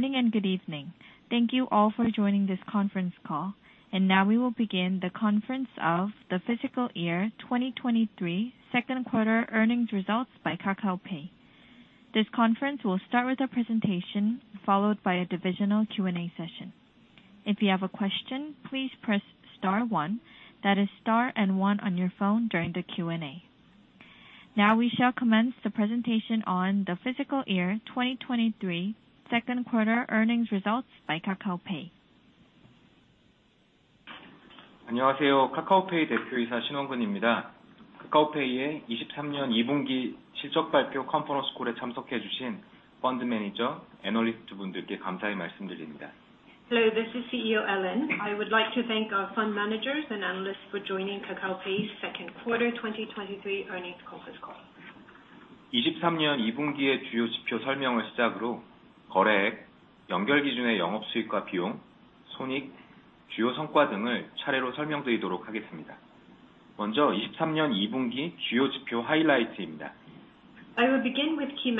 Good morning, good evening. Thank you all for joining this conference call. Now we will begin the conference of the fiscal year 2023, 2Q earnings results by Kakao Pay. This conference will start with a presentation, followed by a divisional Q&A session. If you have a question, please press star one, that is star and one on your phone during the Q&A. Now, we shall commence the presentation on the fiscal year 2023, 2Q earnings results by Kakao Pay. Hello, this is CEO Allen. I would like to thank our fund managers and analysts for joining Kakao Pay's Q2 2023 earnings conference call. I will begin with key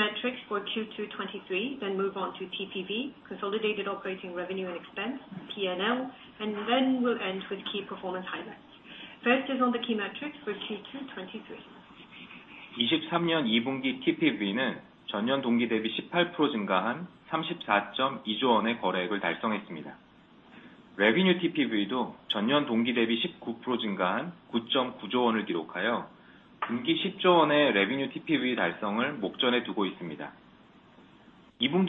metrics for Q2 '23, then move on to TPV, consolidated operating revenue and expense, P&L, and then we'll end with key performance highlights. First is on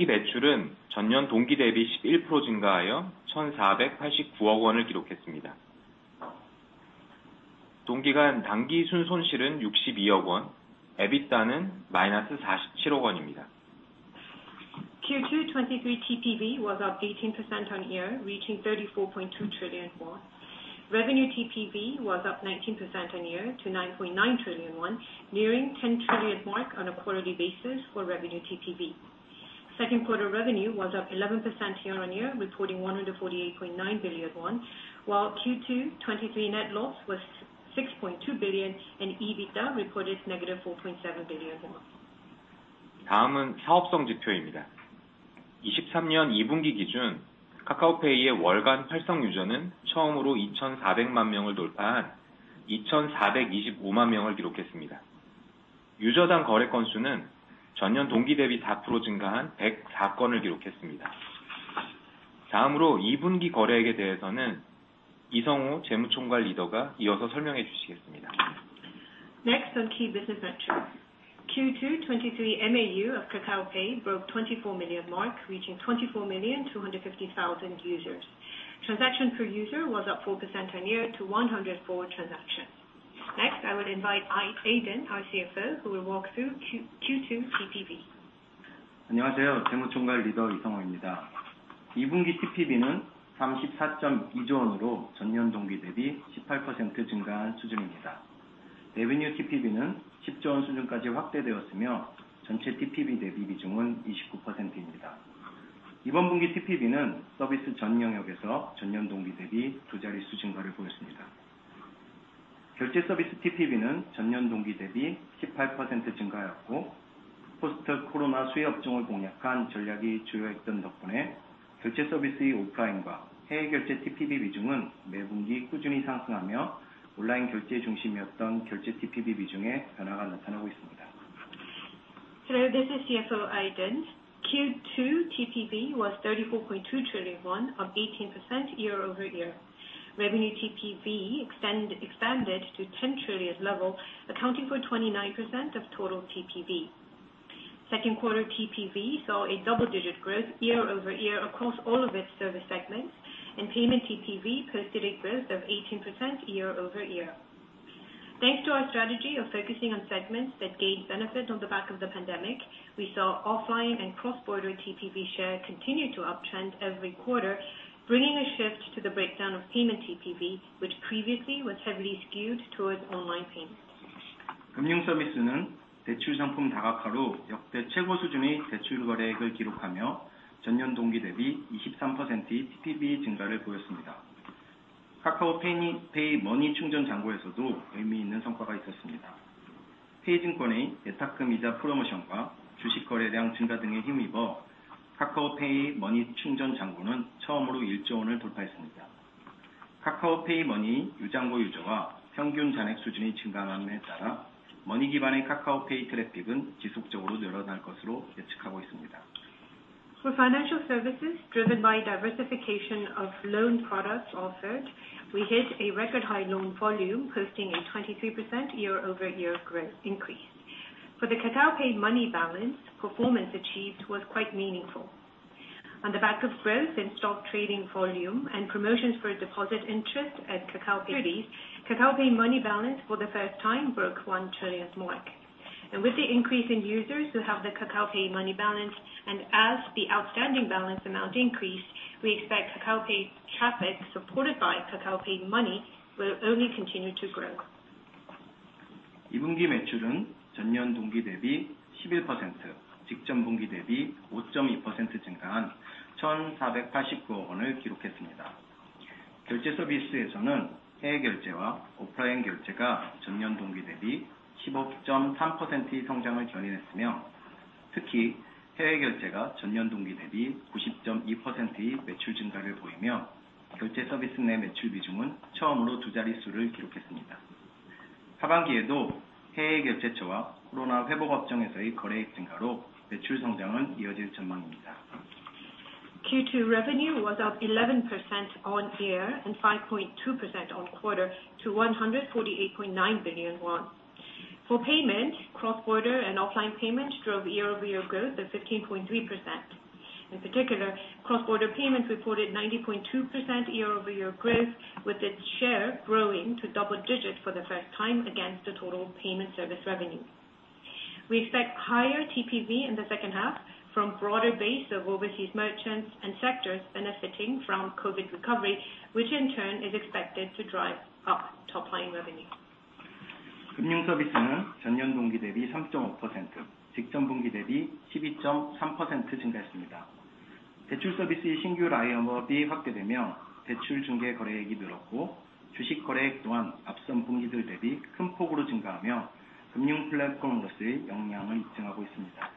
the key metrics for Q2 '23. Q2 '23 TPV was up 18% on year, reaching 34.2 trillion won. Revenue TPV was up 19% on year to 9.9 trillion won, nearing 10 trillion mark on a quarterly basis for revenue TPV. Q2 revenue was up 11% year-on-year, reporting 148.9 billion won, while Q2 '23 net loss was 6.2 billion, EBITDA reported negative 4.7 billion won. Next on key business metrics. Q2 2023 MAU of Kakao Pay broke 24 million mark, reaching 24,250,000 users. Transaction per user was up 4% on year to 104 transactions. Next, I would invite Aiden, our CFO, who will walk through Q2 TPV. Hello, this is CFO Aiden. Q2 TPV was KRW 34.2 trillion, up 18% year-over-year. Revenue TPV expanded to 10 trillion level, accounting for 29% of total TPV. Q2 TPV saw a double-digit growth year-over-year across all of its service segments. Payment TPV posted a growth of 18% year-over-year. Thanks to our strategy of focusing on segments that gained benefit on the back of the pandemic, we saw offline and cross-border TPV share continue to uptrend every quarter, bringing a shift to the breakdown of payment TPV, which previously was heavily skewed towards online payments. For financial services, driven by diversification of loan products offered, we hit a record high loan volume, posting a 23% year-over-year growth increase. For the Kakao Pay Money balance, performance achieved was quite meaningful. On the back of growth in stock trading volume and promotions for deposit interest at Kakao, Kakao Pay Money balance for the first time broke 1 trillion mark. With the increase in users who have the Kakao Pay Money balance, and as the outstanding balance amount increase, we expect Kakao Pay traffic supported by Kakao Pay Money will only continue to grow. Q2 revenue was up 11% year-on-year, and 5.2% versus the previous quarter, reaching KRW 1,489 billion. 결제 서비스에서는 해외 결제와 오프라인 결제가 전년 동기 대비 10.3%의 성장을 견인했으며, 특히 해외 결제가 전년 동기 대비 90.2%의 매출 증가를 보이며, 결제 서비스 내 매출 비중은 처음으로 두 자릿수를 기록했습니다. 하반기에도 해외 결제처와 코로나 회복 업종에서의 거래액 증가로 매출 성장은 이어질 전망입니다. Q2 revenue was up 11% year-over-year and 5.2% quarter-over-quarter to 148.9 billion won. For payment, cross-border and offline payment drove year-over-year growth of 15.3%. In particular, cross-border payments reported 90.2% year-over-year growth, with its share growing to double digits for the first time against the total payment service revenue. We expect higher TPV in the second half from broader base of overseas merchants and sectors benefiting from COVID recovery, which in turn is expected to drive up top line revenue. 금융 서비스는 전년 동기 대비 삼점오 퍼센트, 직전 분기 대비 십이점삼 퍼센트 증가했습니다. 대출 서비스의 신규 라인업이 확대되며, 대출 중개 거래액이 늘었고, 주식 거래액 또한 앞선 분기들 대비 큰 폭으로 증가하며, 금융 플랫폼으로서의 역량을 입증하고 있습니다.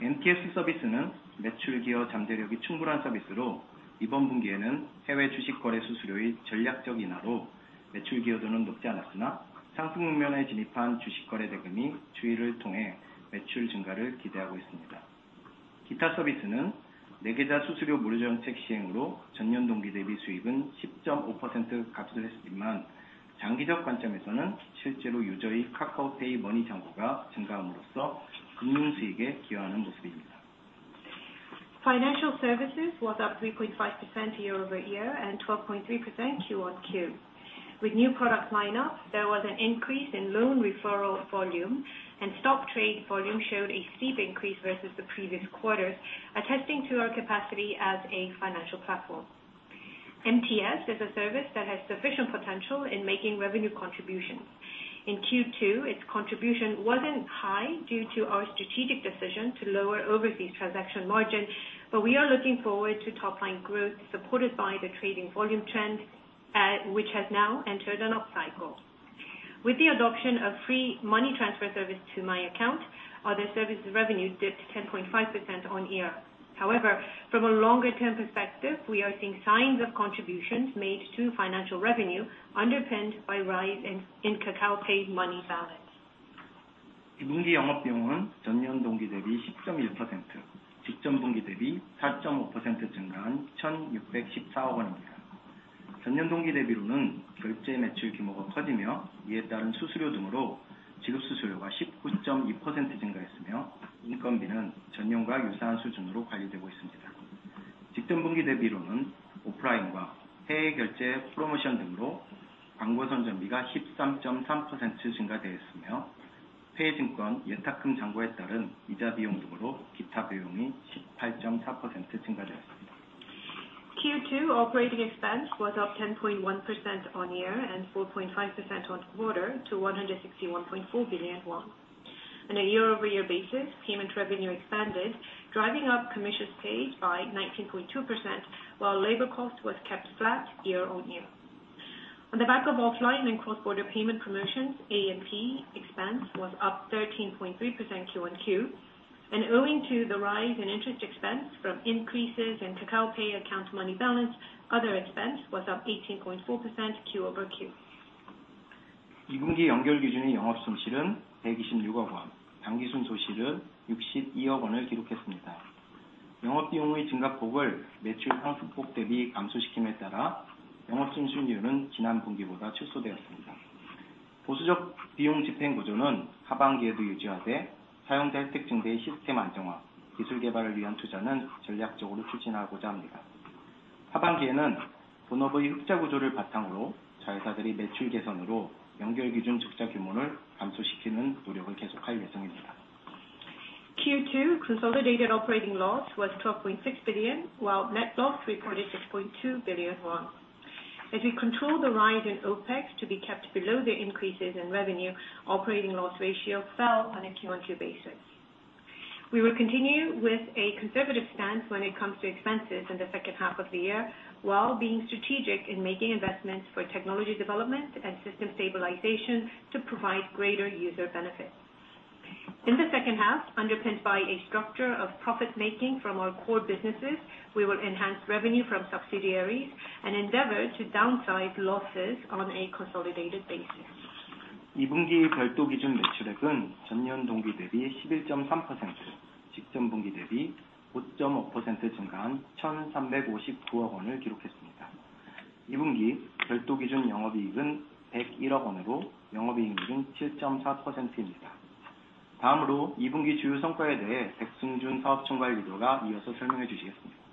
MTS 서비스는 매출 기여 잠재력이 충분한 서비스로, 이번 분기에는 해외 주식 거래 수수료의 전략적 인하로 매출 기여도는 높지 않았으나, 상품 측면에 진입한 주식 거래 대금이 추이를 통해 매출 증가를 기대하고 있습니다. 기타 서비스는 내계좌 수수료 무료 정책 시행으로 전년 동기 대비 수익은 십점오 퍼센트 감소했었지만, 장기적 관점에서는 실제로 유저의 카카오페이 머니 잔고가 증가함으로써 금융 수익에 기여하는 모습입니다. Financial services was up 3.5% year-over-year. 12.3% Q1Q. With new product lineup, there was an increase in loan referral volume, and stock trade volume showed a steep increase versus the previous quarters, attesting to our capacity as a financial platform. MTS is a service that has sufficient potential in making revenue contributions. In Q2, its contribution wasn't high due to our strategic decision to lower overseas transaction margin, but we are looking forward to top line growth supported by the trading volume trend, which has now entered an upcycle. With the adoption of free money transfer service to my account, other services revenue dipped 10.5% year-over-year. However, from a longer term perspective, we are seeing signs of contributions made to financial revenue underpinned by rise in, in Kakao Pay Money. 2분기 영업비용은 전년 동기 대비 십점일 퍼센트, 직전 분기 대비 사점오 퍼센트 증가한 천육백십사억원입니다. 전년 동기 대비로는 결제 매출 규모가 커지며, 이에 따른 수수료 등으로 지급 수수료가 십구점이 퍼센트 증가했으며, 인건비는 전년과 유사한 수준으로 관리되고 있습니다. 직전 분기 대비로는 오프라인과 해외 결제 프로모션 등으로 광고 선전비가 십삼점삼 퍼센트 증가되었으며, 해외 증권 예탁금 잔고에 따른 이자 비용 등으로 기타 비용이 십팔점사 퍼센트 증가되었습니다. Q2 operating expense was up 10.1% year-on-year, and 4.5% quarter-on-quarter to 161.4 billion won. On a year-on-year basis, payment revenue expanded, driving up commissions paid by 19.2%, while labor cost was kept flat year-on-year. On the back of offline and cross-border payment promotions, AMP expense was up 13.3% Q1Q, and owing to the rise in interest expense from increases in Kakao Pay account money balance, other expense was up 18.4% quarter-on-quarter. 2분기 연결 기준의 영업 손실은 백이십육억원, 당기순 손실은 육십이억원을 기록했습니다. 영업비용의 증가폭을 매출 상승폭 대비 감소시킴에 따라, 영업 순수율은 지난 분기보다 축소되었습니다. 보수적 비용 집행 구조는 하반기에도 유지하되, 사용자 혜택 증대의 시스템 안정화, 기술 개발을 위한 투자는 전략적으로 추진하고자 합니다. 하반기에는 본업의 흑자 구조를 바탕으로 자회사들의 매출 개선으로 연결 기준 적자 규모를 감소시키는 노력을 계속할 예정입니다. Q2 consolidated operating loss was 12.6 billion, while net loss recorded 6.2 billion won. As we control the rise in OPEX to be kept below the increases in revenue, operating loss ratio fell on a Q1Q basis. We will continue with a conservative stance when it comes to expenses in the second half of the year, while being strategic in making investments for technology development and system stabilization to provide greater user benefits. In the second half, underpinned by a structure of profit making from our core businesses, we will enhance revenue from subsidiaries and endeavor to downsize losses on a consolidated basis. 2분기 별도 기준 매출액은 전년 동기 대비 십일점삼 퍼센트, 직전 분기 대비 오점오 퍼센트 증가한 천삼백오십구억원을 기록했습니다. 2분기 별도 기준 영업이익은 백일억원으로, 영업이익률은 칠점사 퍼센트입니다. 다음으로 2분기 주요 성과에 대해 백승준 사업총괄 부사장이 이어서 설명해 주시겠습니다.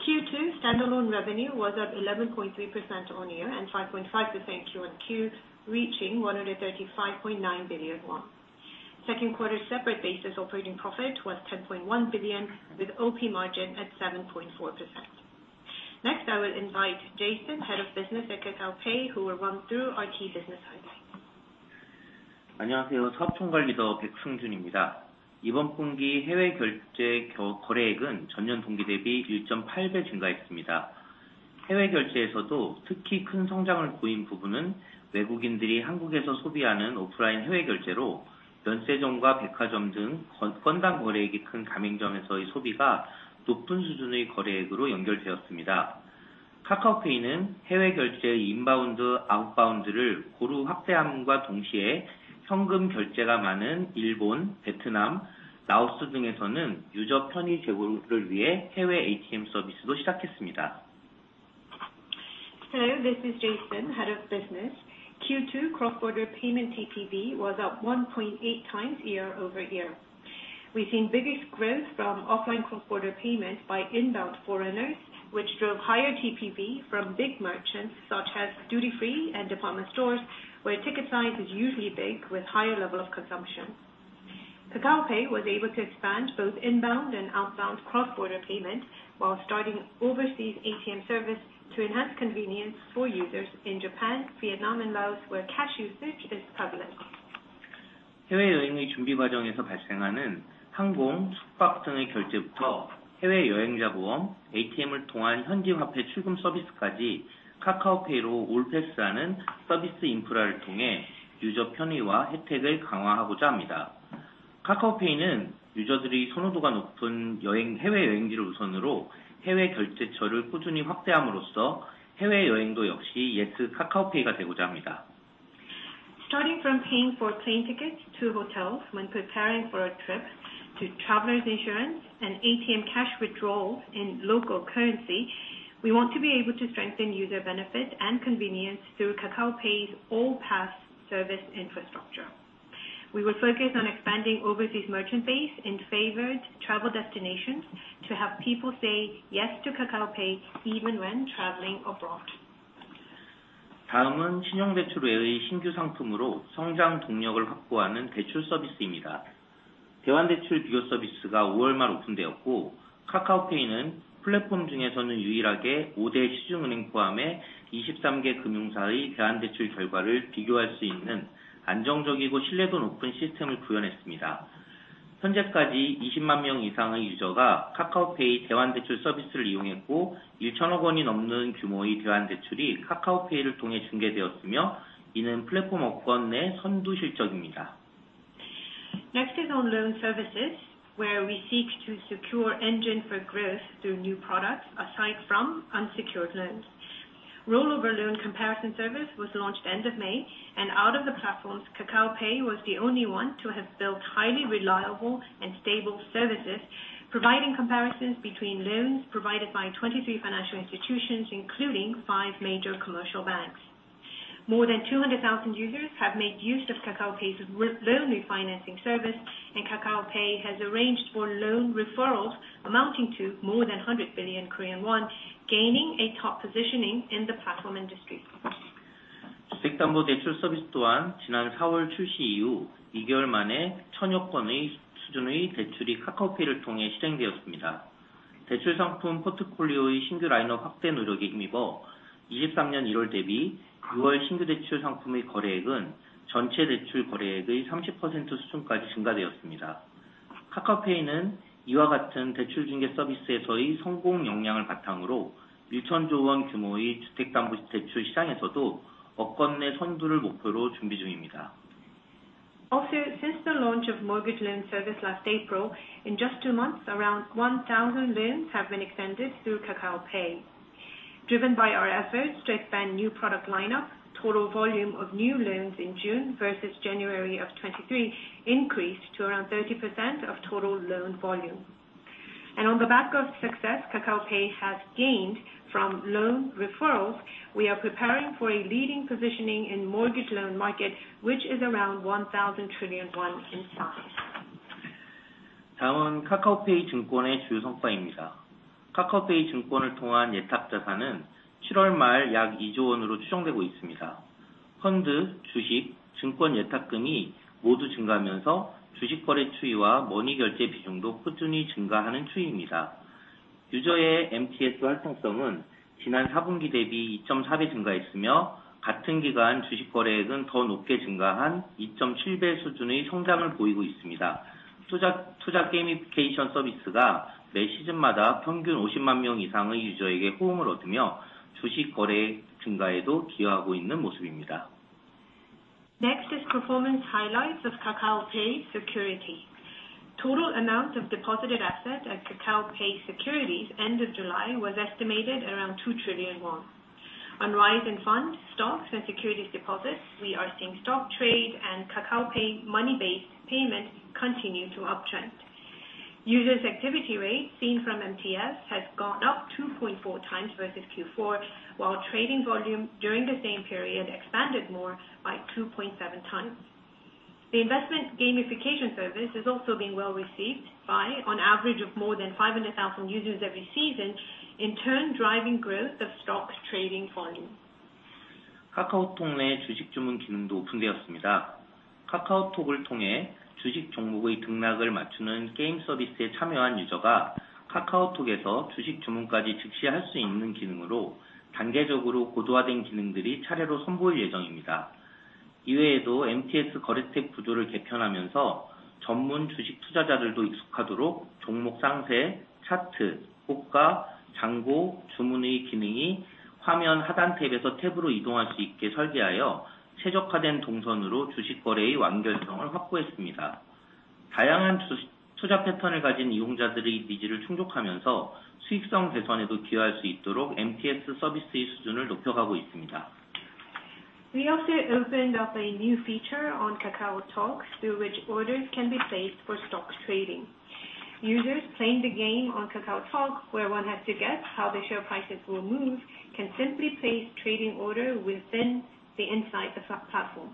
Q2 standalone revenue was up 11.3% on year, 5.5% Q1Q, reaching 135.9 billion won. Q2 separate basis operating profit was 10.1 billion, with OP margin at 7.4%. Next, I will invite Jason, Head of Business at Kakao Pay, who will run through our key business highlights. 안녕하세요, 사업총괄 리더 Seungjun Baek입니다. 이번 분기 해외 결제 거래액은 전년 동기 대비 1.8x 증가했습니다. 해외 결제에서도 특히 큰 성장을 보인 부분은 외국인들이 Korea에서 소비하는 오프라인 해외 결제로 면세점과 백화점 등 건당 거래액이 큰 가맹점에서의 소비가 높은 수준의 거래액으로 연결되었습니다. Kakao Pay는 해외 결제 인바운드, 아웃바운드를 고루 확대함과 동시에 현금 결제가 많은 Japan, Vietnam, Laos 등에서는 유저 편의 제공을 위해 해외 ATM 서비스도 시작했습니다. This is Jason, Head of Business. Q2 cross-border payment TPV was up 1.8 times year-over-year. We've seen biggest growth from offline cross-border payments by inbound foreigners, which drove higher TPV from big merchants, such as duty-free and department stores, where ticket size is usually big with higher level of consumption. Kakao Pay was able to expand both inbound and outbound cross-border payment while starting overseas ATM service to enhance convenience for users in Japan, Vietnam, and Laos, where cash usage is prevalent. 해외여행의 준비 과정에서 발생하는 항공, 숙박 등의 결제부터 해외 여행자보험, ATM을 통한 현지 화폐 출금 서비스까지 카카오페이로 올 패스하는 서비스 인프라를 통해 유저 편의와 혜택을 강화하고자 합니다. 카카오페이는 유저들의 선호도가 높은 여행, 해외여행지를 우선으로 해외 결제처를 꾸준히 확대함으로써 해외여행도 역시 예스 카카오페이가 되고자 합니다. Starting from paying for plane tickets to hotels when preparing for a trip to travelers insurance and ATM cash withdrawal in local currency, we want to be able to strengthen user benefit and convenience through Kakao Pay's All-Pass service infrastructure. We will focus on expanding overseas merchant base in favored travel destinations to have people say yes to Kakao Pay, even when traveling abroad. 다음은 신용대출 외의 신규 상품으로 성장 동력을 확보하는 대출 서비스입니다. 대환대출 비교 서비스가 오월 말 오픈되었고, 카카오페이는 플랫폼 중에서는 유일하게 오대 시중은행 포함해 이십삼개 금융사의 대환대출 결과를 비교할 수 있는 안정적이고 신뢰도 높은 시스템을 구현했습니다. 현재까지 이십만 명 이상의 유저가 카카오페이 대환대출 서비스를 이용했고, 일천억 원이 넘는 규모의 대환대출이 카카오페이를 통해 중개되었으며, 이는 플랫폼 업권 내 선두 실적입니다. Next is on loan services, where we seek to secure engine for growth through new products aside from unsecured loans. Out of the platforms, Kakao Pay was the only one to have built highly reliable and stable services, providing comparisons between loans provided by 23 financial institutions, including five major commercial banks. More than 200,000 users have made use of Kakao Pay's loan refinancing service. Kakao Pay has arranged for loan referrals amounting to more than 100 billion Korean won, gaining a top positioning in the platform industry. 주택담보대출 서비스 또한 지난 4월 출시 이후 2개월 만에 1,000여 건의 수준의 대출이 카카오페이를 통해 실행되었습니다. 대출 상품 포트폴리오의 신규 라인업 확대 노력에 힘입어, 2023년 1월 대비 6월 신규 대출 상품의 거래액은 전체 대출 거래액의 30% 수준까지 증가되었습니다. 카카오페이는 이와 같은 대출중개 서비스에서의 성공 역량을 바탕으로 1,000조 원 규모의 주택담보대출 시장에서도 업권 내 선두를 목표로 준비 중입니다. Since the launch of mortgage loan service last April, in just 2 months, around 1,000 loans have been extended through Kakao Pay. Driven by our efforts to expand new product lineup, total volume of new loans in June versus January of 2023 increased to around 30% of total loan volume. On the back of success, Kakao Pay has gained from loan referrals, we are preparing for a leading positioning in mortgage loan market, which is around KRW 1,000 trillion in size. 다음은 카카오페이 증권의 주요 성과입니다. 카카오페이 증권을 통한 예탁자산은 칠월 말약 이조 원으로 추정되고 있습니다. 펀드, 주식, 증권 예탁금이 모두 증가하면서 주식 거래 추이와 머니 결제 비중도 꾸준히 증가하는 추입니다. 유저의 MTS 활성도는 지난 사분기 대비 이점사배 증가했으며, 같은 기간 주식 거래액은 더 높게 증가한 이점칠배 수준의 성장을 보이고 있습니다. 투자, 투자 게이미피케이션 서비스가 매 시즌마다 평균 오십만 명 이상의 유저에게 호응을 얻으며, 주식 거래 증가에도 기여하고 있는 모습입니다. Next is performance highlights of Kakao Pay Securities. Total amount of deposited assets at Kakao Pay Securities end of July was estimated around 2 trillion won. On rise in funds, stocks and securities deposits, we are seeing stock trade and Kakao Pay Money-based payments continue to uptrend. Users activity rate seen from MTS has gone up 2.4 times versus Q4, while trading volume during the same period expanded more by 2.7 times. The investment gamification service is also being well received by on average of more than 500,000 users every season, in turn, driving growth of stocks trading volume. 카카오톡 내 주식 주문 기능도 오픈되었습니다. 카카오톡을 통해 주식 종목의 등락을 맞추는 게임 서비스에 참여한 유저가 KakaoTalk에서 주식 주문까지 즉시 할수 있는 기능으로 단계적으로 고도화된 기능들이 차례로 선보일 예정입니다. 이외에도 MTS 거래책 구조를 개편하면서 전문 주식 투자자들도 익숙하도록 종목 상세, 차트, 호가, 잔고, 주문의 기능이 화면 하단 탭에서 탭으로 이동할 수 있게 설계하여, 최적화된 동선으로 주식 거래의 완결성을 확보했습니다. 다양한 투자 패턴을 가진 이용자들의 니즈를 충족하면서 수익성 개선에도 기여할 수 있도록 MTS 서비스의 수준을 높여가고 있습니다. We also opened up a new feature on KakaoTalk, through which orders can be placed for stock trading. Users playing the game on KakaoTalk, where one has to guess how the share prices will move, can simply place trading order within the platform,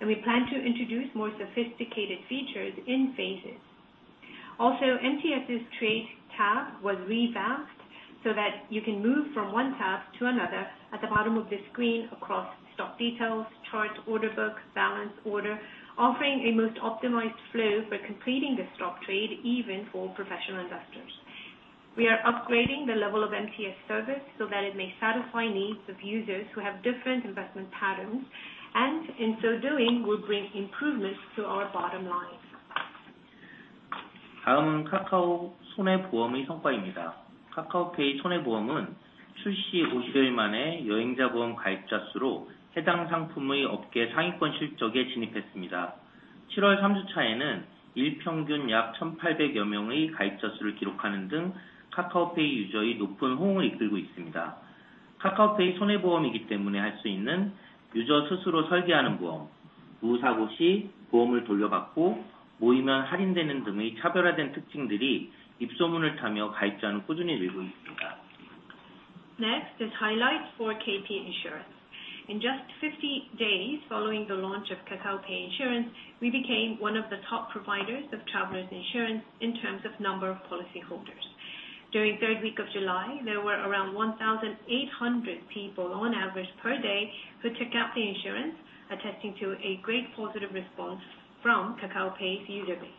and we plan to introduce more sophisticated features in phases. MTS's Trade tab was revamped so that you can move from one tab to another at the bottom of the screen across stock details, chart, order book, balance, order, offering a most optimized flow for completing the stock trade, even for professional investors. We are upgrading the level of MTS service so that it may satisfy needs of users who have different investment patterns, and in so doing, will bring improvements to our bottom line. 다음은 카카오 손해보험의 성과입니다. 카카오페이 손해보험은 출시 오십일 만에 여행자보험 가입자수로 해당 상품의 업계 상위권 실적에 진입했습니다. 칠월 삼주차에는 일평균 약 천팔백여 명의 가입자 수를 기록하는 등 카카오페이 유저의 높은 호응을 이끌고 있습니다. 카카오페이 손해보험이기 때문에 할수 있는 유저 스스로 설계하는 보험, 무사고 시 보험을 돌려받고, 모이면 할인되는 등의 차별화된 특징들이 입소문을 타며 가입자는 꾸준히 늘고 있습니다. Next is highlights for Kakao Pay Insurance. In just 50 days following the launch of Kakao Pay Insurance, we became one of the top providers of travelers insurance in terms of number of policy holders. During third week of July, there were around 1,800 people on average per day, who took out the insurance, attesting to a great positive response from Kakao Pay's user base.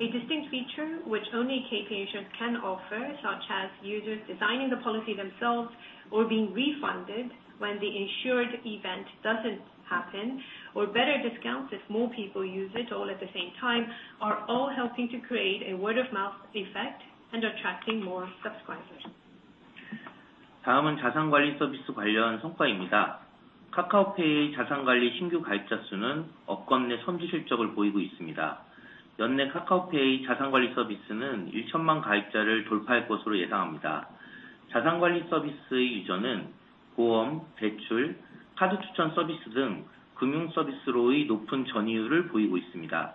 A distinct feature which only Kakao Pay Insurance can offer, such as users designing the policy themselves or being refunded when the insured event doesn't happen, or better discounts if more people use it all at the same time, are all helping to create a word of mouth effect and attracting more subscribers. 다음은 자산관리 서비스 관련 성과입니다. Kakao Pay의 자산관리 신규 가입자 수는 업권 내 선두 실적을 보이고 있습니다. 연내 Kakao Pay 자산관리 서비스는 10 million 가입자를 돌파할 것으로 예상합니다. 자산관리 서비스의 유저는 보험, 대출, 카드 추천 서비스 등 금융서비스로의 높은 전의율을 보이고 있습니다.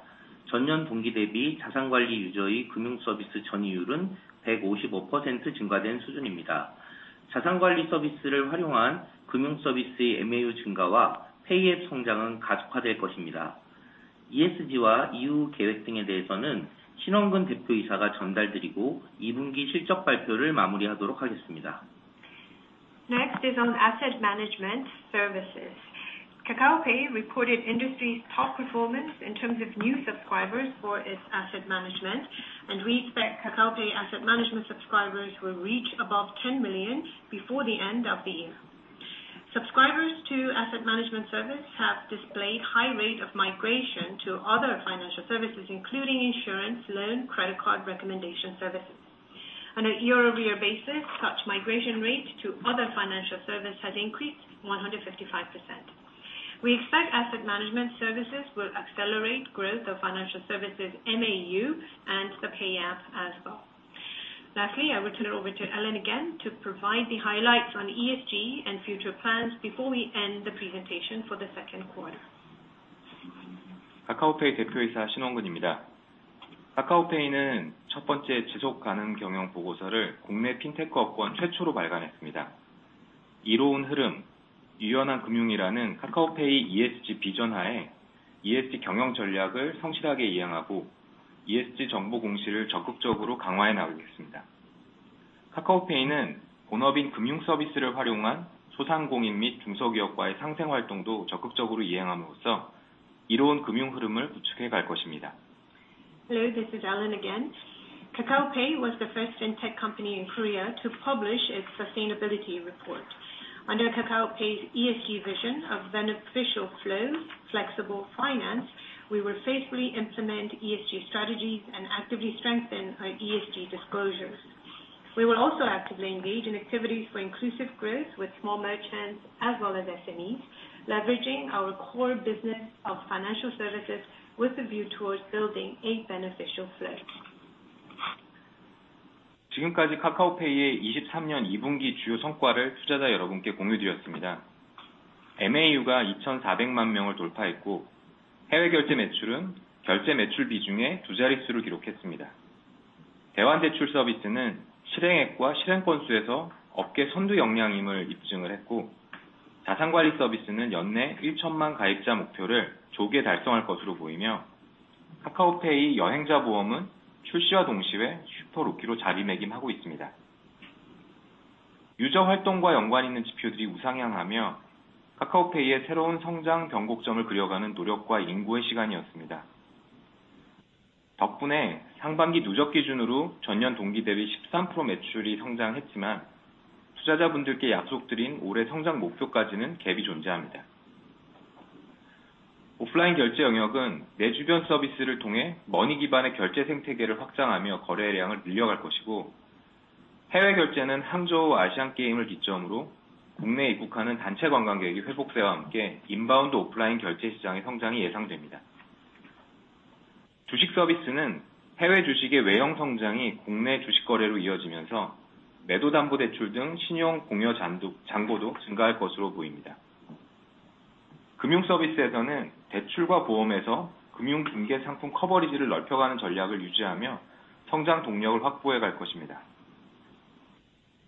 전년 동기 대비 자산관리 유저의 금융서비스 전의율은 155% 증가된 수준입니다. 자산관리 서비스를 활용한 금융서비스의 MAU 증가와 페이앱 성장은 가속화될 것입니다. ESG와 이후 계획 등에 대해서는 Shin Won-geun CEO가 전달드리고, Q2 실적 발표를 마무리하도록 하겠습니다. Next is on asset management services. Kakao Pay reported industry's top performance in terms of new subscribers for its asset management, we expect Kakao Pay asset management subscribers will reach above 10 million before the end of the year. Subscribers to asset management service have displayed high rate of migration to other financial services, including insurance, loan, credit card recommendation services. On a year-over-year basis, such migration rate to other financial service has increased 155%. We expect asset management services will accelerate growth of financial services, MAU, and the Pay app as well. Lastly, I will turn it over to Allen again to provide the highlights on ESG and future plans before we end the presentation for the Q2. Kakao Pay 대표이사 Shin Won-geun 입니다. Kakao Pay는 first 지속 가능 경영 보고서를 국내 Fintech 업권 최초로 발간했습니다. 이로운 흐름, 유연한 금융이라는 Kakao Pay ESG 비전하에 ESG 경영 전략을 성실하게 이행하고, ESG 정보 공시를 적극적으로 강화해 나가겠습니다. Kakao Pay는 본업인 금융 서비스를 활용한 소상공인 및 SMEs와의 상생 활동도 적극적으로 이행함으로써, 이로운 금융 흐름을 구축해 갈 것입니다. Hello, this is Allen again. Kakao Pay was the first Fintech company in Korea to publish its sustainability report. Under Kakao Pay's ESG vision of beneficial flow, flexible finance, we will faithfully implement ESG strategies and actively strengthen our ESG disclosures. We will also actively engage in activities for inclusive growth with small merchants as well as SMEs, leveraging our core business of financial services with a view towards building a beneficial flow. 지금까지 Kakao Pay의 2023 Q2 주요 성과를 투자자 여러분께 공유드렸습니다. MAU가 24,000,000 명을 돌파했고, 해외 결제 매출은 결제 매출 비중의 두 자릿수를 기록했습니다. 대환대출 서비스는 실행액과 실행 건수에서 업계 선두 역량임을 입증을 했고, 자산관리 서비스는 연내 10,000,000 가입자 목표를 조기에 달성할 것으로 보이며, Kakao Pay 여행자보험은 출시와 동시에 super rookie로 자리매김하고 있습니다. ...User 활동과 연관 있는 지표들이 우상향하며, Kakao Pay의 새로운 성장 변곡점을 그려가는 노력과 인고의 시간이었습니다. 덕분에 상반기 누적 기준으로 전년 동기 대비 13% 매출이 성장했지만, 투자자분들께 약속드린 올해 성장 목표까지는 gap이 존재합니다. 오프라인 결제 영역은 내 주변 서비스를 통해 머니 기반의 결제 생태계를 확장하며 거래량을 늘려갈 것이고, 해외 결제는 Hangzhou Asian Games을 기점으로 국내 입국하는 단체 관광객이 회복세와 함께 인바운드 오프라인 결제 시장의 성장이 예상됩니다. 주식 서비스는 해외 주식의 외형 성장이 국내 주식 거래로 이어지면서 매도담보대출 등 신용 공여 잔고도 증가할 것으로 보입니다. 금융 서비스에서는 대출과 보험에서 금융 중개 상품 커버리지를 넓혀가는 전략을 유지하며 성장 동력을 확보해 갈 것입니다.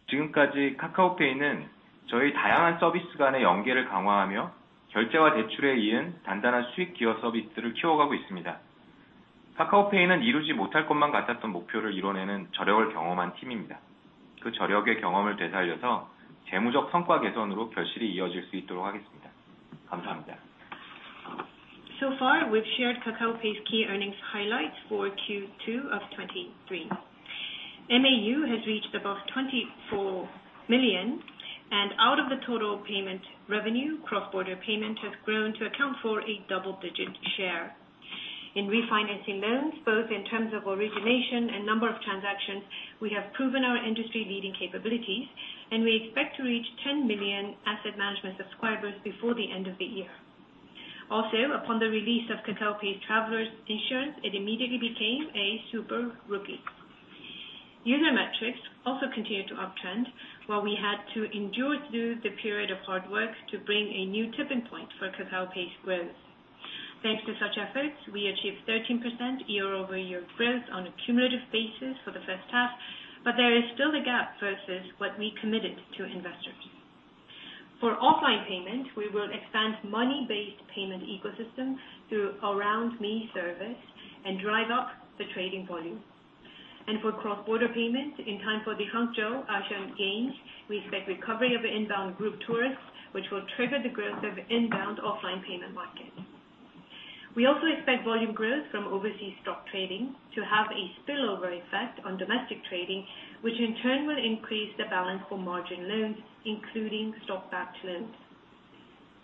지금까지 Kakao Pay는 저희 다양한 서비스 간의 연계를 강화하며 결제와 대출에 이은 단단한 수익 기여 서비스를 키워가고 있습니다. Kakao Pay는 이루지 못할 것만 같았던 목표를 이뤄내는 저력을 경험한 팀입니다. 그 저력의 경험을 되살려서 재무적 성과 개선으로 결실이 이어질 수 있도록 하겠습니다. 감사합니다. So far, we've shared Kakao Pay's key earnings highlights for Q2 2023. MAU has reached above 24 million, and out of the total payment revenue, cross-border payment has grown to account for a double-digit share. In refinancing loans, both in terms of origination and number of transactions, we have proven our industry-leading capabilities, and we expect to reach 10 million asset management subscribers before the end of the year. Upon the release of Kakao Pay's travelers insurance, it immediately became a super rookie. User metrics also continued to uptrend, while we had to endure through the period of hard work to bring a new tipping point for Kakao Pay's growth. Thanks to such efforts, we achieved 13% year-over-year growth on a cumulative basis for the first half, but there is still the gap versus what we committed to investors. For offline payment, we will expand money-based payment ecosystem through around me service and drive up the trading volume. For cross-border payments, in time for the Hangzhou Asian Games, we expect recovery of inbound group tourists, which will trigger the growth of inbound offline payment market. We also expect volume growth from overseas stock trading to have a spillover effect on domestic trading, which in turn will increase the balance for margin loans, including stock-backed loans.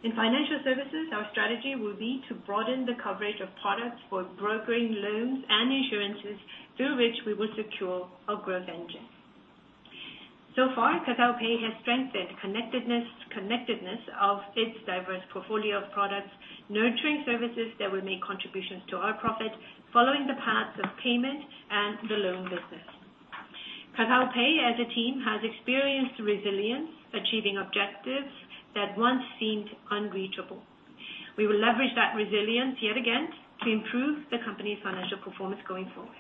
In financial services, our strategy will be to broaden the coverage of products for brokering loans and insurances, through which we will secure our growth engine. So far, Kakao Pay has strengthened connectedness, connectedness of its diverse portfolio of products, nurturing services that will make contributions to our profit following the paths of payment and the loan business. Kakao Pay, as a team, has experienced resilience, achieving objectives that once seemed unreachable. We will leverage that resilience yet again to improve the company's financial performance going forward.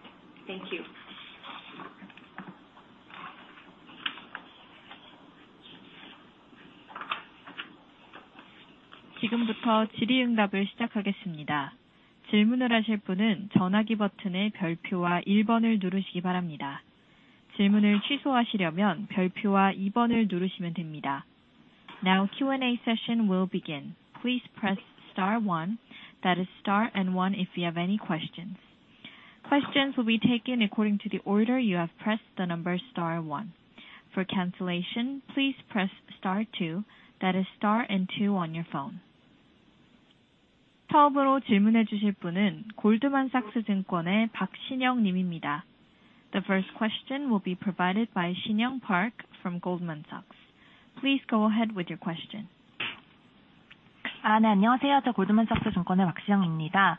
Thank you. Now Q&A session will begin. Please press star one, that is star and one, if you have any questions. Questions will be taken according to the order you have pressed the number star one. For cancellation, please press star two, that is star and two on your phone. The first question will be provided by Sinyoung Park from Goldman Sachs. Please go ahead with your question. 안녕하세요, 저 Goldman Sachs 증권의 Sinyoung Park입니다.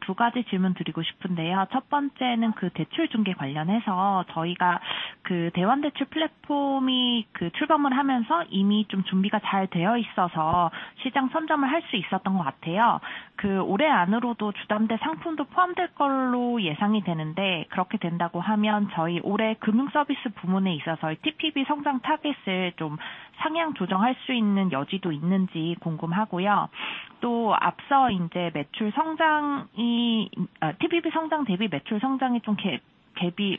두 가지 질문드리고 싶은데요. 첫 번째는 그 대출 중개 관련해서 저희가 그 대환대출 플랫폼이 그 출범을 하면서 이미 좀 준비가 잘 되어 있어서 시장 선점을 할수 있었던 것 같아요. 그 올해 안으로도 주담대 상품도 포함될 걸로 예상이 되는데, 그렇게 된다고 하면 저희 올해 금융 서비스 부문에 있어서 TPV 성장 타겟을 좀 상향 조정할 수 있는 여지도 있는지 궁금하고요. 또 앞서 이제 매출 성장이, TPV 성장 대비 매출 성장이 좀 갭, 갭이,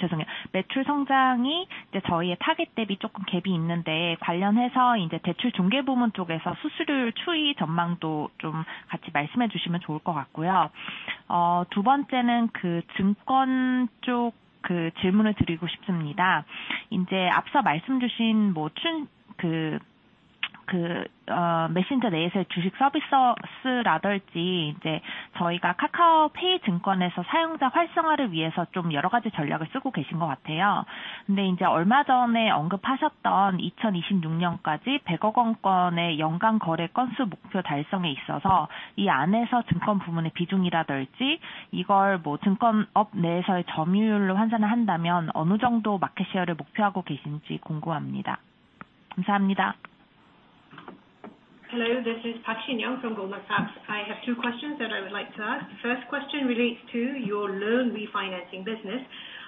죄송해요. 매출 성장이 이제 저희의 타겟 대비 조금 갭이 있는데 관련해서 이제 대출 중개 부문 쪽에서 수수료율 추이 전망도 좀 같이 말씀해 주시면 좋을 것 같고요. 두 번째는 그 증권 쪽그 질문을 드리고 싶습니다. 이제 앞서 말씀주신 뭐 메신저 내에서의 주식 서비스라든지, 이제 저희가 Kakao Pay Securities에서 사용자 활성화를 위해서 좀 여러 가지 전략을 쓰고 계신 것 같아요. 이제 얼마 전에 언급하셨던 2026년까지 10 billion권의 연간 거래 건수 목표 달성에 있어서, 이 안에서 증권 부문의 비중이라든지, 이걸 뭐 증권업 내에서의 점유율로 환산을 한다면 어느 정도 마켓셰어를 목표하고 계신지 궁금합니다. 감사합니다. Hello, this is Sinyoung Park from Goldman Sachs. I have two questions. Relates to your loan refinancing business.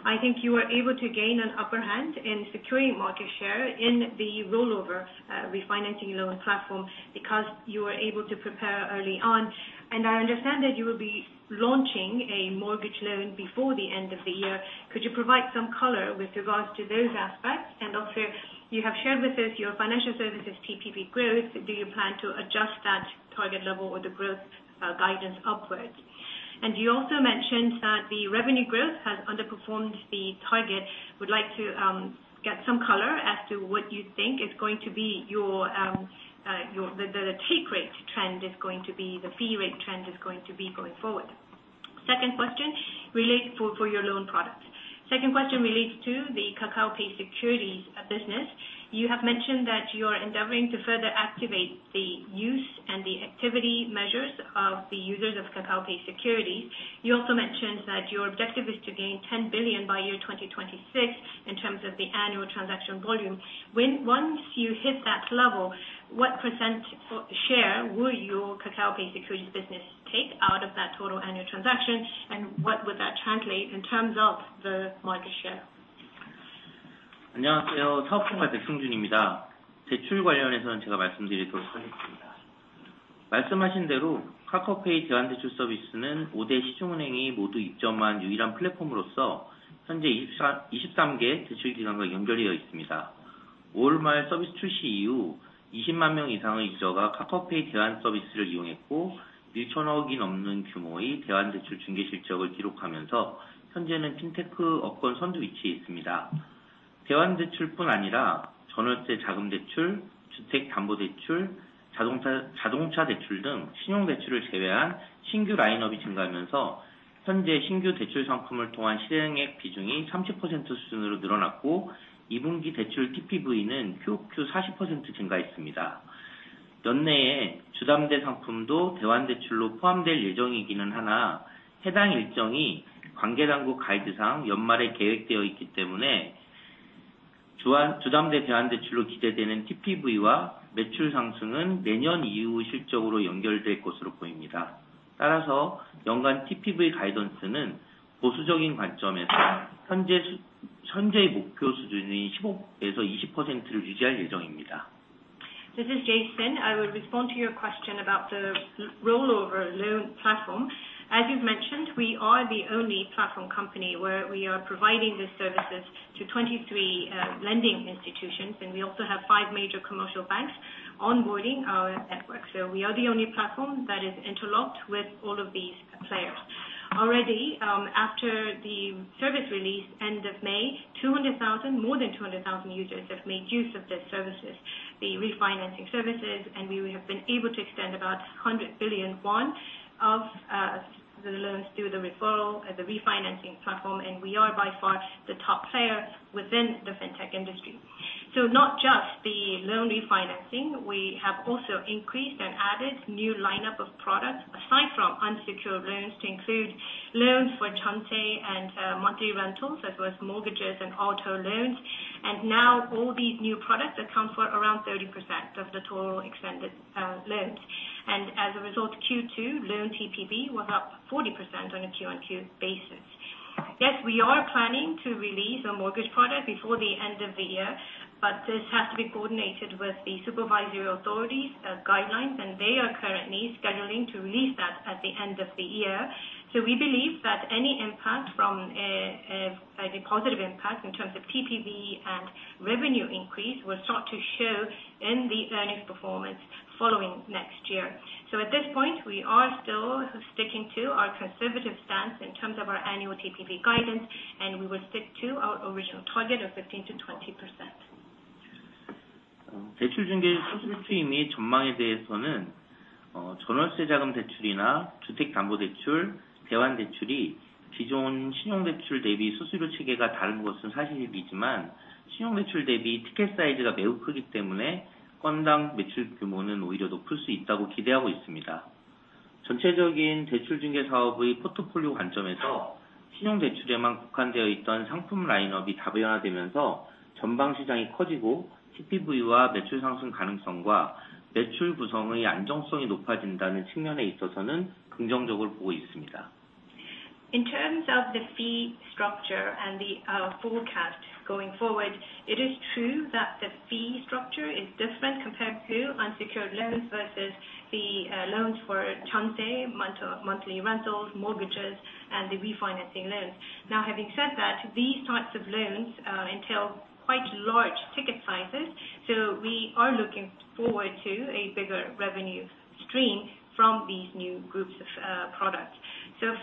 I think you are able to gain an upper hand in securing market share in the rollover, refinancing loan platform, because you were able to prepare early on. I understand that you will be launching a mortgage loan before the end of the year. Could you provide some color with regards to those aspects? Also you have shared with us your financial services TPV growth, do you plan to adjust that target level or the growth guidance upwards? You also mentioned that the revenue growth has underperformed the target. Would like to get some color as to what you think is going to be your your- the, the take rate trend is going to be, the fee rate trend is going to be going forward. Second question relates for, for your loan product. Second question relates to the Kakao Pay Securities business. You have mentioned that you are endeavoring to further activate the use and the activity measures of the users of Kakao Pay Securities. You also mentioned that your objective is to gain 10 billion by year 2026 in terms of the annual transaction volume. When once you hit that level, what % share will your Kakao Pay Securities business take out of that total annual transaction, and what would that translate in terms of the market share? Hello. This is Seungjun Baek, Head of Business. Regarding loans, I will answer your question. As you mentioned, Kakao Pay's loan repayment service is the only platform where all 5 major commercial banks have entered, and it is currently connected to 23 lending institutions. Since the service launch at the end of May, more than 200,000 users have used the Kakao Pay loan repayment service, recording a volume of over KRW 1 trillion in loan repayment brokerage, making it a leading player in the Fintech industry. In addition to loan repayment, new product lineups have increased, including personal loans, mortgage loans, auto loans, and other non-credit loans. As a result, the proportion of transactions through new loan products has grown to 30%, and Q2 loan TPV increased by 40% quarter-on-quarter. While personal loans are expected to be included in the loan repayment products within the year, this schedule is planned for the end of the year based on guidance from relevant authorities. Therefore, the TPV and revenue increase expected from personal loan repayment will be reflected in next year's results. Consequently, the annual TPV guidance will be maintained at 15%-20%, a conservative target. This is Jason. I will respond to your question about the rollover loan platform. As you've mentioned, we are the only platform company where we are providing the services to 23 lending institutions, and we also have 5 major commercial banks onboarding our network. We are the only platform that is interlocked with all of these players. Already, after the service release end of May, more than 200,000 users have made use of these services, the refinancing services, and we have been able to extend about 100 billion won of the loans through the referral, the refinancing platform, and we are by far the top player within the Fintech industry. Not just the loan refinancing, we have also increased and added new lineup of products, aside from unsecured loans, to include loans for jeonse and monthly rentals, as well as mortgages and auto loans. Now all these new products account for around 30% of the total extended loans. As a result, Q2 loan TPV was up 40% on a Q-on-Q basis. Yes, we are planning to release a mortgage product before the end of the year, but this has to be coordinated with the supervisory authorities' guidelines, and they are currently scheduling to release that at the end of the year. We believe that any impact from the positive impact in terms of TPV and revenue increase, will start to show in the earnings performance following next year. At this point, we are still sticking to our conservative stance in terms of our annual TPV guidance, and we will stick to our original target of 15%-20%. Regarding loan brokerage fees and prospects, it is true that the fee structure for personal loans, mortgage loans, and loan repayments is different from that of traditional credit loans. Since the ticket size is much larger than credit loans, we expect that the revenue per transaction may actually be higher. From the perspective of the overall loan brokerage portfolio, we are positive about the expansion of the overall market, the potential for TPV and revenue growth, and the improvement in the stability of revenue composition as the product lineup diversifies beyond credit loans. In terms of the fee structure and the forecast going forward, it is true that the fee structure is different compared to unsecured loans versus the loans for jeonse, monthly rentals, mortgages, and the refinancing loans. Having said that, these types of loans entail quite large ticket sizes, we are looking forward to a bigger revenue stream from these new groups of products.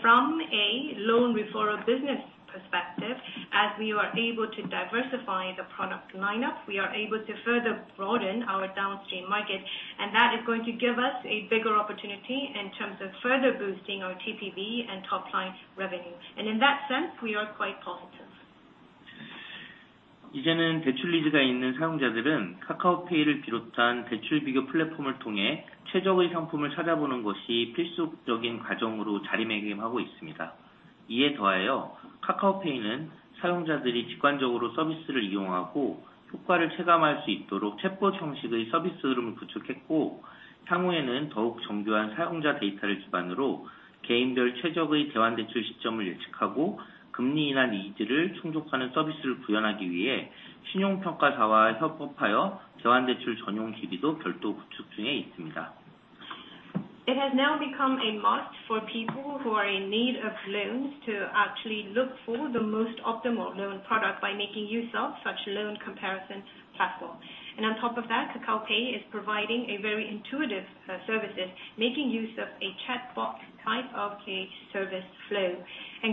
From a loan referral business perspective, as we are able to diversify the product lineup, we are able to further broaden our downstream market, and that is going to give us a bigger opportunity in terms of further boosting our TPV and top line revenue. In that sense, we are quite positive. Now, users with loan needs have established it as an essential process to search for the best products through loan comparison platforms, including Kakao Pay.... 이에 더하여, 카카오페이는 사용자들이 직관적으로 서비스를 이용하고 효과를 체감할 수 있도록 챗봇 형식의 서비스 흐름을 구축했고, 향후에는 더욱 정교한 사용자 데이터를 기반으로 개인별 최적의 대환대출 시점을 예측하고, 금리나 니즈를 충족하는 서비스를 구현하기 위해 신용평가사와 협업하여 대환대출 전용 DB도 별도 구축 중에 있습니다. It has now become a must for people who are in need of loans to actually look for the most optimal loan product by making use of such loan comparison platform. On top of that, Kakao Pay is providing a very intuitive service, making use of a chatbot type of a service flow.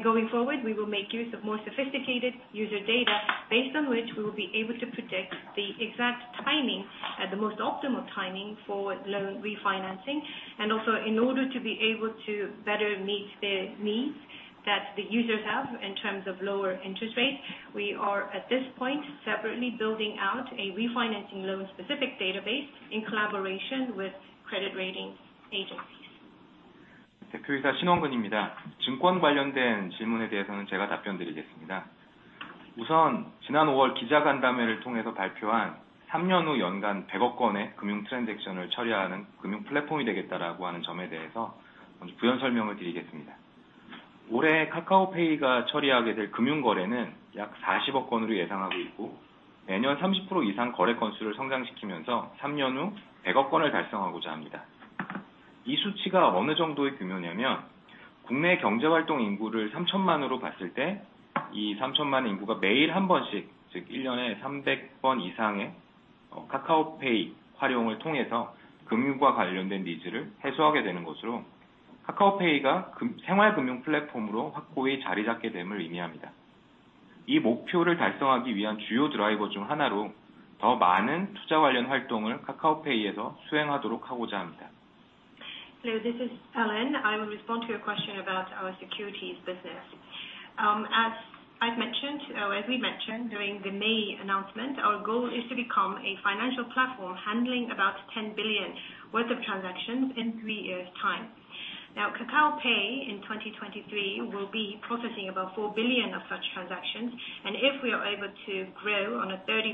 Going forward, we will make use of more sophisticated user data, based on which we will be able to predict the exact timing, at the most optimal timing for loan refinancing, and also in order to be able to better meet the needs that the users have in terms of lower interest rates. We are, at this point, separately building out a refinancing loan specific database in collaboration with credit rating agencies. 대표이사 신원근입니다. 증권 관련된 질문에 대해서는 제가 답변드리겠습니다. 우선 지난 오월 기자간담회를 통해서 발표한 삼년후 연간 백억 건의 금융 트랜잭션을 처리하는 금융 플랫폼이 되겠다라고 하는 점에 대해서 먼저 부연 설명을 드리겠습니다. 올해 카카오페이가 처리하게 될 금융거래는 약 사십억 건으로 예상하고 있고, 매년 삼십프로 이상 거래 건수를 성장시키면서 삼년후 백억 건을 달성하고자 합니다. 이 수치가 어느 정도의 규모냐면, 국내 경제활동인구를 삼천만으로 봤을 때, 이 삼천만 인구가 매일 한 번씩, 즉일 년에 삼백 번 이상의 어, 카카오페이 활용을 통해서 금융과 관련된 니즈를 해소하게 되는 것으로 카카오페이가 금, 생활 금융 플랫폼으로 확고히 자리잡게 됨을 의미합니다. 이 목표를 달성하기 위한 주요 드라이버 중 하나로, 더 많은 투자 관련 활동을 카카오페이에서 수행하도록 하고자 합니다. Hello, this is Allen. I will respond to your question about our securities business. As I've mentioned, as we mentioned during the May announcement, our goal is to become a financial platform handling about 10 billion worth of transactions in 3 years' time. Now, Kakao Pay in 2023 will be processing about 4 billion of such transactions, and if we are able to grow on a 30%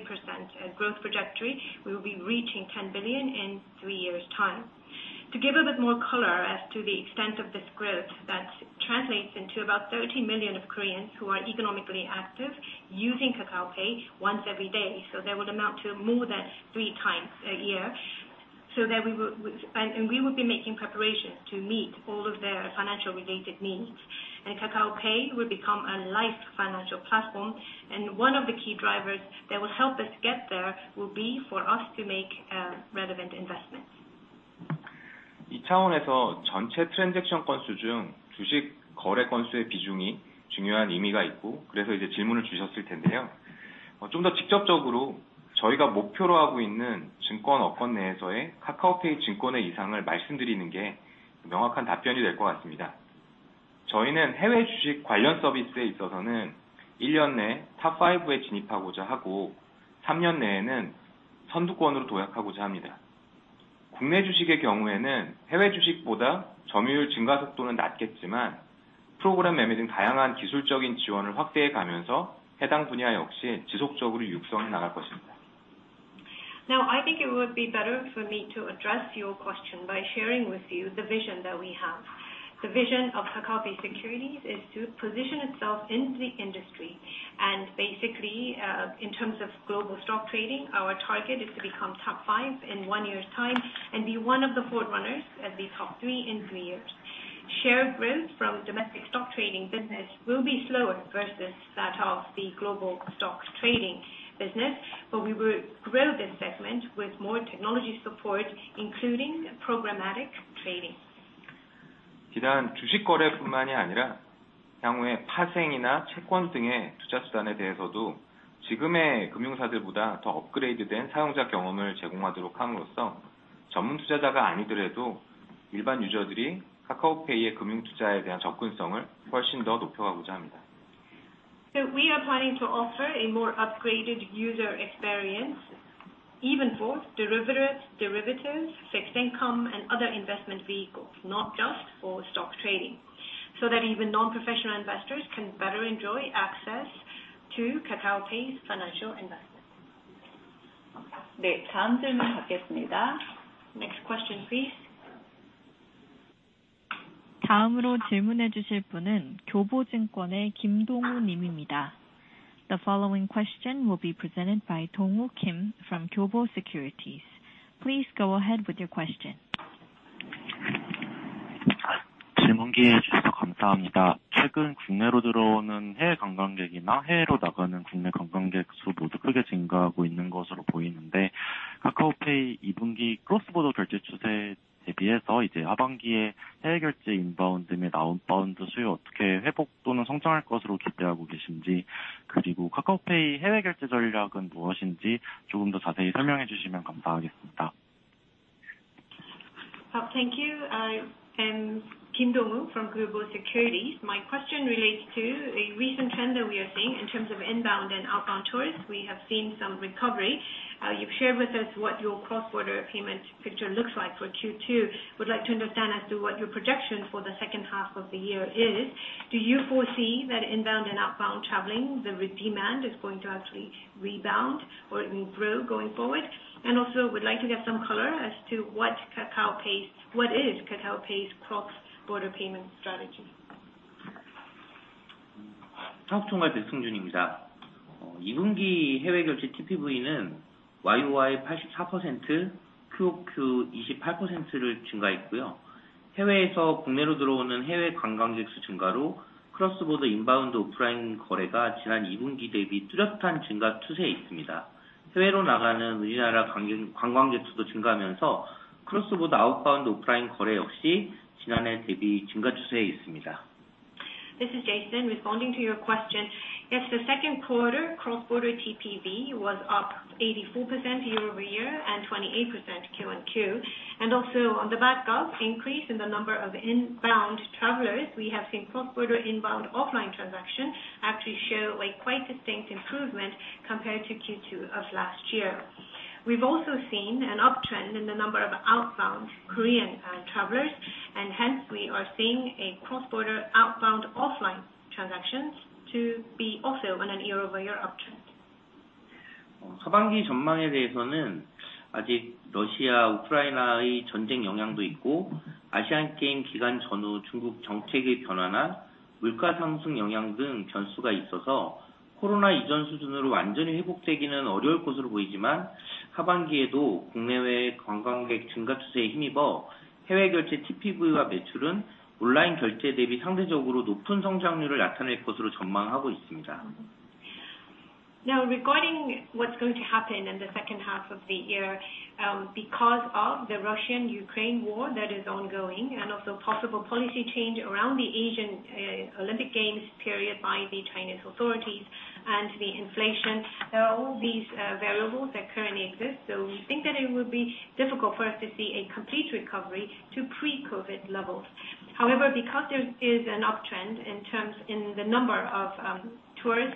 growth trajectory, we will be reaching 10 billion in 3 years' time. To give a bit more color as to the extent of this growth, that translates into about 30 million of Koreans who are economically active, using Kakao Pay once every day, so that would amount to more than 3 times a year. That we will, and we will be making preparations to meet all of their financial related needs, and Kakao Pay will become a life financial platform, and one of the key drivers that will help us get there, will be for us to make, relevant investments. 이 차원에서 전체 transaction count 중 stock transaction count의 비중이 중요한 의미가 있고, 이제 질문을 주셨을 텐데요. 좀더 직접적으로 저희가 목표로 하고 있는 securities industry 내에서의 Kakao Pay Securities의 이상을 말씀드리는 게 명확한 답변이 될것 같습니다. 저희는 overseas stock 관련 service에 있어서는 1년 내 top 5에 진입하고자 하고, 3년 내에는 선두권으로 도약하고자 합니다. 국내 stock의 경우에는 overseas stock보다 점유율 증가 속도는 낮겠지만, programmatic trading 등 다양한 기술적인 지원을 확대해 가면서 해당 분야 역시 지속적으로 육성해 나갈 것입니다. Now, I think it would be better for me to address your question by sharing with you the vision that we have. The vision of Kakao Pay Securities is to position itself in the industry and basically, in terms of global stock trading, our target is to become top five in one year's time and be one of the forerunners as the top three in three years. Share growth from domestic stock trading business will be slower versus that of the global stocks trading business, but we will grow this segment with more technology support, including programmatic trading. 비단 주식 거래뿐만이 아니라, 향후에 파생이나 채권 등의 투자 수단에 대해서도 지금의 금융사들보다 더 업그레이드된 사용자 경험을 제공하도록 함으로써, 전문 투자자가 아니더라도 일반 유저들이 카카오페이의 금융투자에 대한 접근성을 훨씬 더 높여가고자 합니다. We are planning to offer a more upgraded user experience, even for derivatives, derivatives, fixed income and other investment vehicles, not just for stock trading, so that even non-professional investors can better enjoy access to Kakao Pay's financial investments. 네, 다음 질문 받겠습니다. Next question, please. 다음으로 질문해 주실 분은 교보증권의 김동우님입니다. The following question will be presented by Dong-woo Kim from Kyobo Securities. Please go ahead with your question. 질문 기회 주셔서 감사합니다. 최근 국내로 들어오는 해외 관광객이나 해외로 나가는 국내 관광객 수 모두 크게 증가하고 있는 것으로 보이는데, Kakao Pay 이 분기 크로스보더 결제 추세에 대비해서 이제 하반기에 해외 결제 인바운드 및 아웃바운드 수요 어떻게 회복 또는 성장할 것으로 기대하고 계신지? 그리고 Kakao Pay 해외 결제 전략은 무엇인지 조금 더 자세히 설명해 주시면 감사하겠습니다? ...Thank you. I am Dong-woo Kim from Kyobo Securities. My question relates to a recent trend that we are seeing in terms of inbound and outbound tourists. We have seen some recovery. You've shared with us what your cross-border payment picture looks like for Q2. Would like to understand as to what your projection for the second half of the year is. Do you foresee that inbound and outbound traveling, demand is going to actually rebound or it will grow going forward? Also, would like to get some color as to what is Kakao Pay's cross-border payment strategy? This is Jason, responding to your question. Yes, the second quarter cross-border TPV was up 84% year-over-year and 28% Q&Q. Also on the back of increase in the number of inbound travelers, we have seen cross-border inbound offline transaction actually show a quite distinct improvement compared to Q2 of last year. We've also seen an uptrend in the number of outbound Korean travelers, and hence we are seeing a cross-border outbound offline transactions to be also on a year-over-year uptrend. Regarding what's going to happen in the second half of the year, because of the Russian-Ukraine War that is ongoing and also possible policy change around the Asian Olympic Games period by the Chinese authorities and the inflation, all these variables that currently exist, we think that it would be difficult for us to see a complete recovery to pre-COVID levels. However, because there is an uptrend in terms, in the number of tourists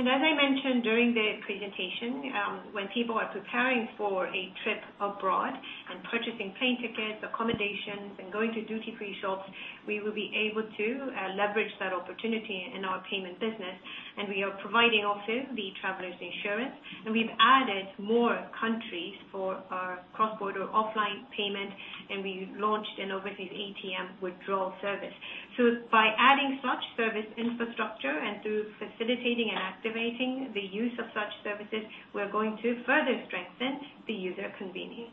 and visitors, we believe that on a comparative basis for cross-border TPV and sales will definitely show an improvement versus or higher growth compared to the online payment. As I mentioned during the presentation, when people are preparing for a trip abroad and purchasing plane tickets, accommodations, and going to duty-free shops, we will be able to leverage that opportunity in our payment business. We are providing also the travelers insurance, and we've added more countries for our cross-border offline payment, and we launched an overseas ATM withdrawal service. By adding such service infrastructure and through facilitating and activating the use of such services, we're going to further strengthen the user convenience.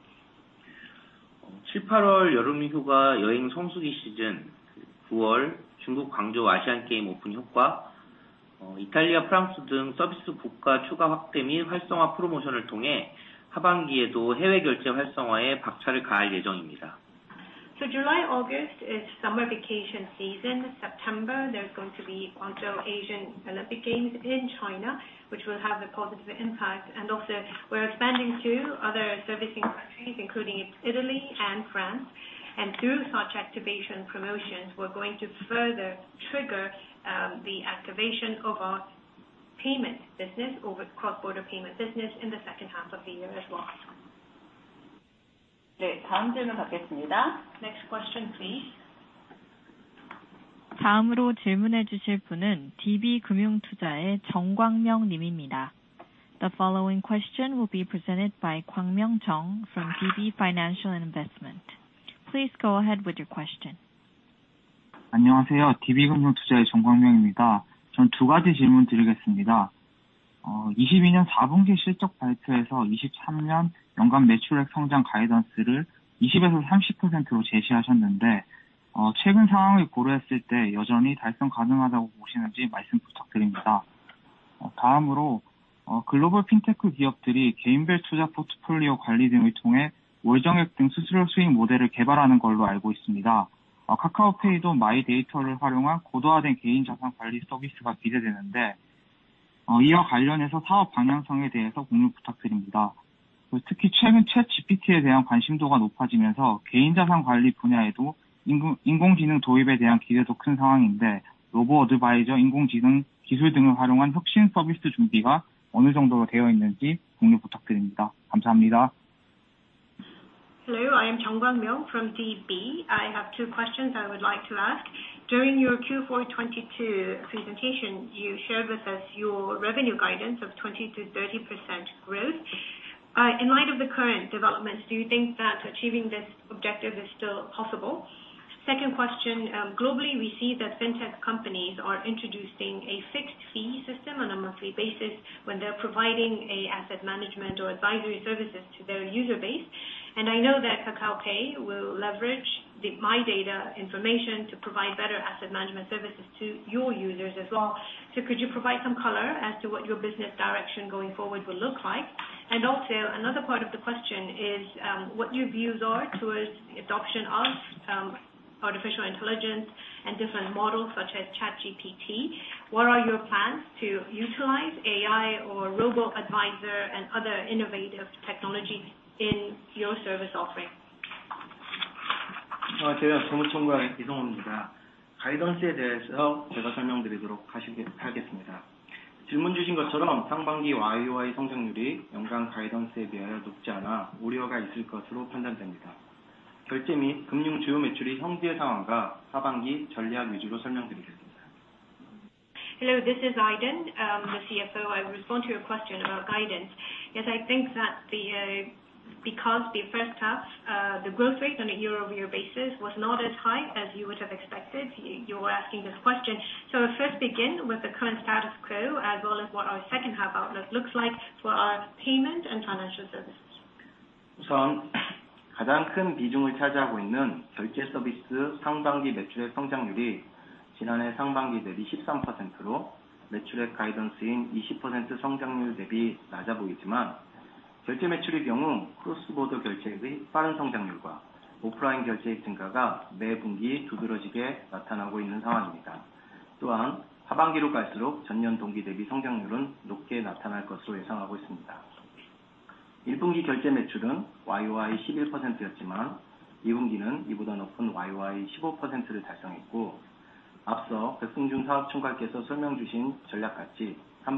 July, August is summer vacation season. September, there's going to be onto Asian Olympic Games in China, which will have a positive impact, and also we're expanding to other servicing countries, including Italy and France. Through such activation promotions, we're going to further trigger the activation of our payment business or the cross-border payment business in the second half of the year as well. Next question, please. The following question will be presented by Kwang Myong Jung from DB Financial Investment. Please go ahead with your question. Hello, I am Jung Kwang Myong from DB. I have two questions I would like to ask. During your Q4 '22 presentation, you shared with us your revenue guidance of 20% to 30% growth.... in light of the current developments, do you think that achieving this objective is still possible? Second question, globally, we see that Fintech companies are introducing a fixed fee system on a monthly basis when they're providing a asset management or advisory services to their user base. I know that Kakao Pay will leverage the MyData information to provide better asset management services to your users as well. Could you provide some color as to what your business direction going forward will look like? Also, another part of the question is, what your views are towards adoption of artificial intelligence and different models such as ChatGPT? What are your plans to utilize AI or robo-advisor and other innovative technologies in your service offering? Hello, this is Aiden, the CFO. I will respond to your question about guidance. Yes, I think that the, because the first half, the growth rate on a year-over-year basis was not as high as you would have expected, you are asking this question. I'll first begin with the current status quo, as well as what our second half outlook looks like for our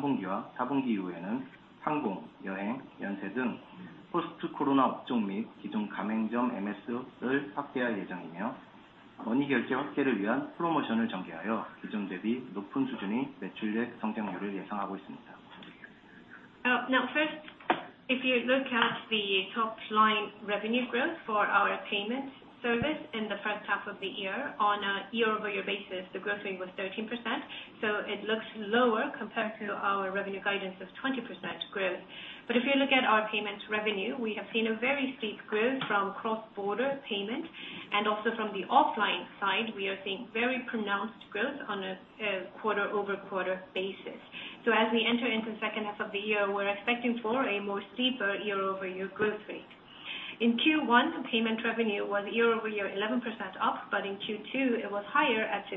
payment and financial services. Now, first, if you look at the top line revenue growth for our payment service in the first half of the year, on a year-over-year basis, the growth rate was 13%, it looks lower compared to our revenue guidance of 20% growth. If you look at our payments revenue, we have seen a very steep growth from cross-border payment, and also from the offline side, we are seeing very pronounced growth on a quarter-over-quarter basis. As we enter into the second half of the year, we're expecting for a more steeper year-over-year growth rate. In Q1, payment revenue was year-over-year 11% up, but in Q2 it was higher at 15%.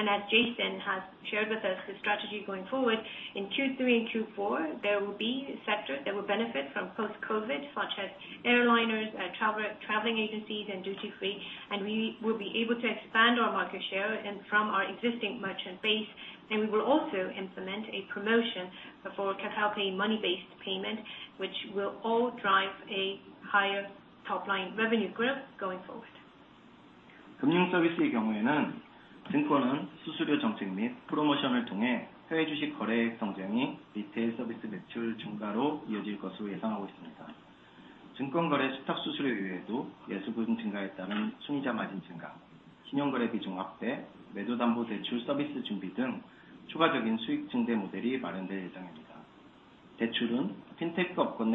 As Jason has shared with us, his strategy going forward, in Q3 and Q4, there will be sectors that will benefit from post-COVID, such as airliners, traveling agencies and duty free, and we will be able to expand our market share and from our existing merchant base, and we will also implement a promotion for Kakao Pay Money-based payment, which will all drive a higher top line revenue growth going forward. For financial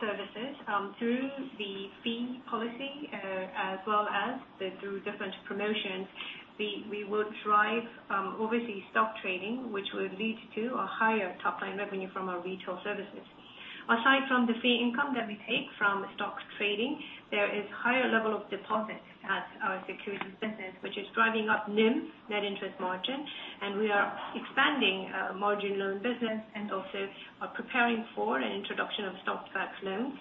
services, through the fee policy, as well as through different promotions, we will drive obviously stock trading, which will lead to a higher top line revenue from our retail services. Aside from the fee income that we take from stock trading, there is higher level of deposit at our securities business, which is driving up NIM, net interest margin, and we are expanding margin loan business, and also are preparing for an introduction of stock-backed loans.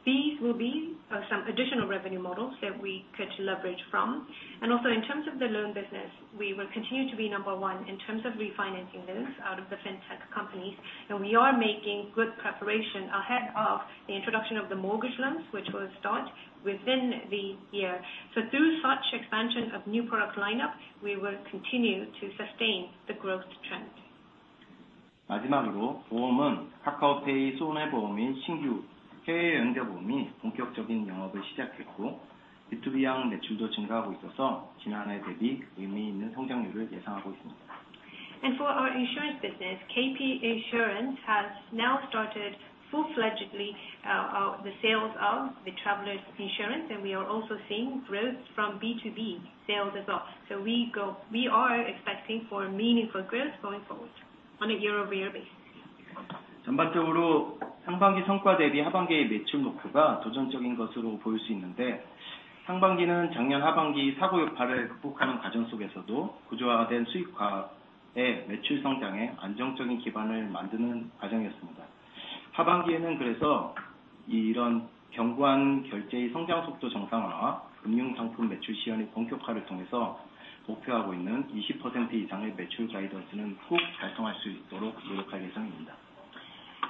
These will be some additional revenue models that we could leverage from. Also in terms of the loan business, we will continue to be number one in terms of refinancing loans out of the Fintech companies, and we are making good preparation ahead of the introduction of the mortgage loans, which will start within the year. Through such expansion of new product lineup, we will continue to sustain the growth trend. For our insurance business, Kakao Pay Insurance has now started full-fledgedly, the sales of the travelers insurance, and we are also seeing growth from B2B sales as well. We are expecting for a meaningful growth going forward on a year-over-year basis.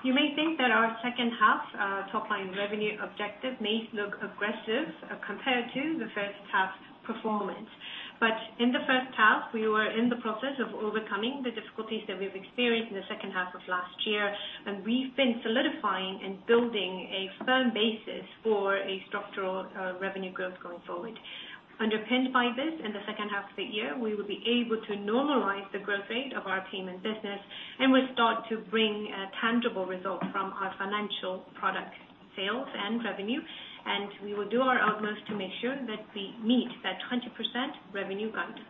You may think that our second half, top line revenue objective may look aggressive, compared to the first half's performance. In the first half, we were in the process of overcoming the difficulties that we've experienced in the second half of last year, and we've been solidifying and building a firm basis for a structural, revenue growth going forward. Underpinned by this, in the second half of the year, we will be able to normalize the growth rate of our payment business, and we'll start to bring tangible results from our financial product sales and revenue, and we will do our utmost to make sure that we meet that 20% revenue guide.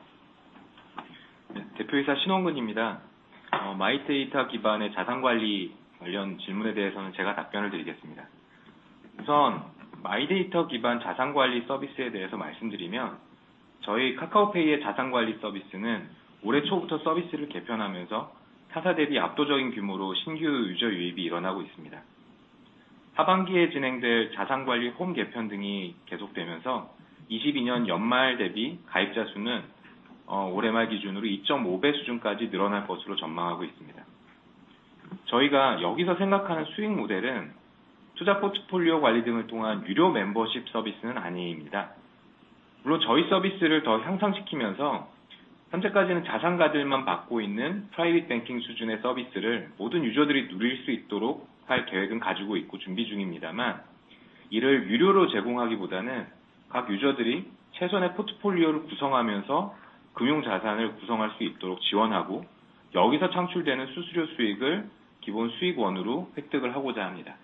Yeah, 대표이사 신원근입니다. MyData 기반의 자산 관리 관련 질문에 대해서는 제가 답변을 드리겠습니다. 우선 MyData 기반 자산 관리 서비스에 대해서 말씀드리면, 저희 Kakao Pay의 자산 관리 서비스는 올해 초부터 서비스를 개편하면서 타사 대비 압도적인 규모로 신규 유저 유입이 일어나고 있습니다. 하반기에 진행될 자산 관리 홈 개편 등이 계속되면서 2022년 연말 대비 가입자 수는 올해 말 기준으로 2.5x 수준까지 늘어날 것으로 전망하고 있습니다. 저희가 여기서 생각하는 수익 모델은 투자 포트폴리오 관리 등을 통한 유료 멤버십 서비스는 아닙니다. 물론 저희 서비스를 더 향상시키면서 현재까지는 자산가들만 받고 있는 private banking 수준의 서비스를 모든 유저들이 누릴 수 있도록 할 계획은 가지고 있고 준비 중입니다만, 이를 유료로 제공하기보다는 각 유저들이 최선의 포트폴리오를 구성하면서 금융 자산을 구성할 수 있도록 지원하고, 여기서 창출되는 수수료 수익을 기본 수익원으로 획득을 하고자 합니다.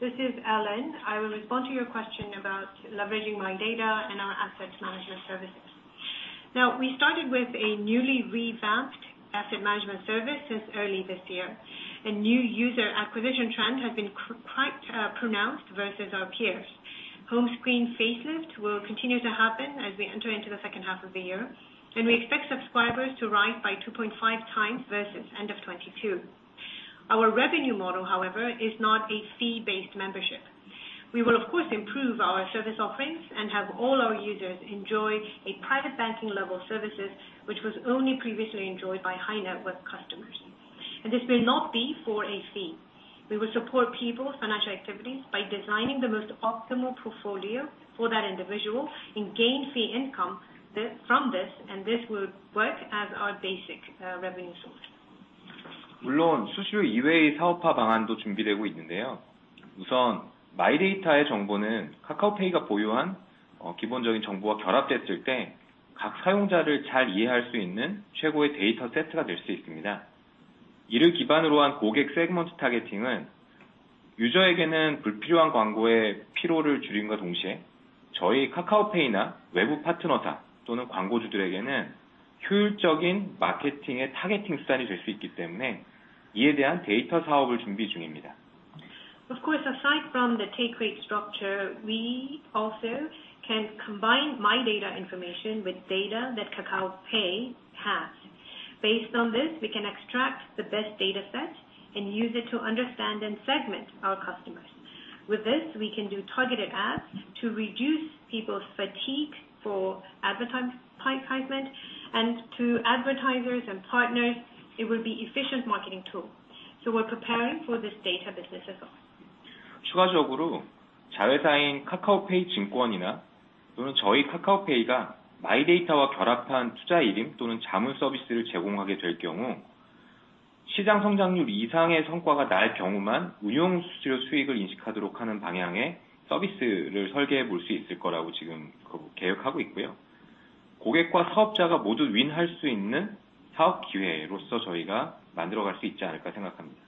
This is Allen. I will respond to your question about leveraging MyData and our assets management services. We started with a newly revamped asset management service since early this year, and new user acquisition trend has been quite pronounced versus our peers. Home screen facelift will continue to happen as we enter into the second half of the year, and we expect subscribers to rise by 2.5 times versus end of 2022. Our revenue model, however, is not a fee-based membership. We will, of course, improve our service offerings and have all our users enjoy a private banking level services, which was only previously enjoyed by high net worth customers, and this will not be for a fee. We will support people's financial activities by designing the most optimal portfolio for that individual and gain fee income from this, and this will work as our basic revenue source. 물론 수수료 이외의 사업화 방안도 준비되고 있는데요. 우선 마이데이터의 정보는 카카오페이가 보유한, uh, 기본적인 정보와 결합됐을 때각 사용자를 잘 이해할 수 있는 최고의 데이터 세트가 될수 있습니다. 이를 기반으로 한 고객 세그먼트 타겟팅은 유저에게는 불필요한 광고에 피로를 줄임과 동시에 저희 카카오페이나 외부 파트너사 또는 광고주들에게는 효율적인 마케팅의 타겟팅 수단이 될수 있기 때문에 이에 대한 데이터 사업을 준비 중입니다. Of course, aside from the take rate structure, we also can combine MyData information with data that Kakao Pay has. Based on this, we can extract the best data set and use it to understand and segment our customers. With this, we can do targeted ads to reduce people's fatigue for advertisement, and to advertisers and partners, it will be efficient marketing tool. We're preparing for this data business as well. 추가적으로 자회사인 Kakao Pay Securities나 또는 저희 Kakao Pay가 MyData와 결합한 투자 일임 또는 자문 서비스를 제공하게 될 경우, 시장 성장률 이상의 성과가 날 경우만 운용 수수료 수익을 인식하도록 하는 방향의 서비스를 설계해 볼수 있을 거라고 지금 계획하고 있고요. 고객과 사업자가 모두 win 할수 있는 사업 기회로서 저희가 만들어 갈수 있지 않을까 생각합니다.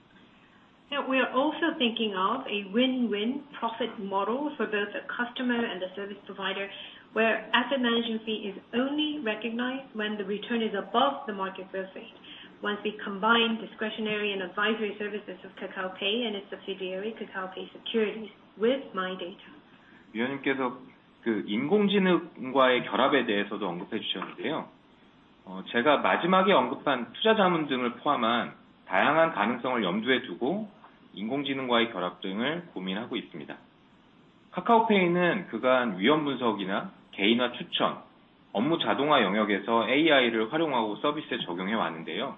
Now, we are also thinking of a win-win profit model for both the customer and the service provider, where asset management fee is only recognized when the return is above the market growth rate, once we combine discretionary and advisory services of Kakao Pay and its subsidiary, Kakao Pay Securities, with MyData. 위원님께서 그 인공지능과의 결합에 대해서도 언급해 주셨는데요. Uh, 제가 마지막에 언급한 투자 자문 등을 포함한 다양한 가능성을 염두에 두고 인공지능과의 결합 등을 고민하고 있습니다. 카카오페이는 그간 위험 분석이나 개인화 추천, 업무 자동화 영역에서 AI를 활용하고 서비스에 적용해 왔는데요.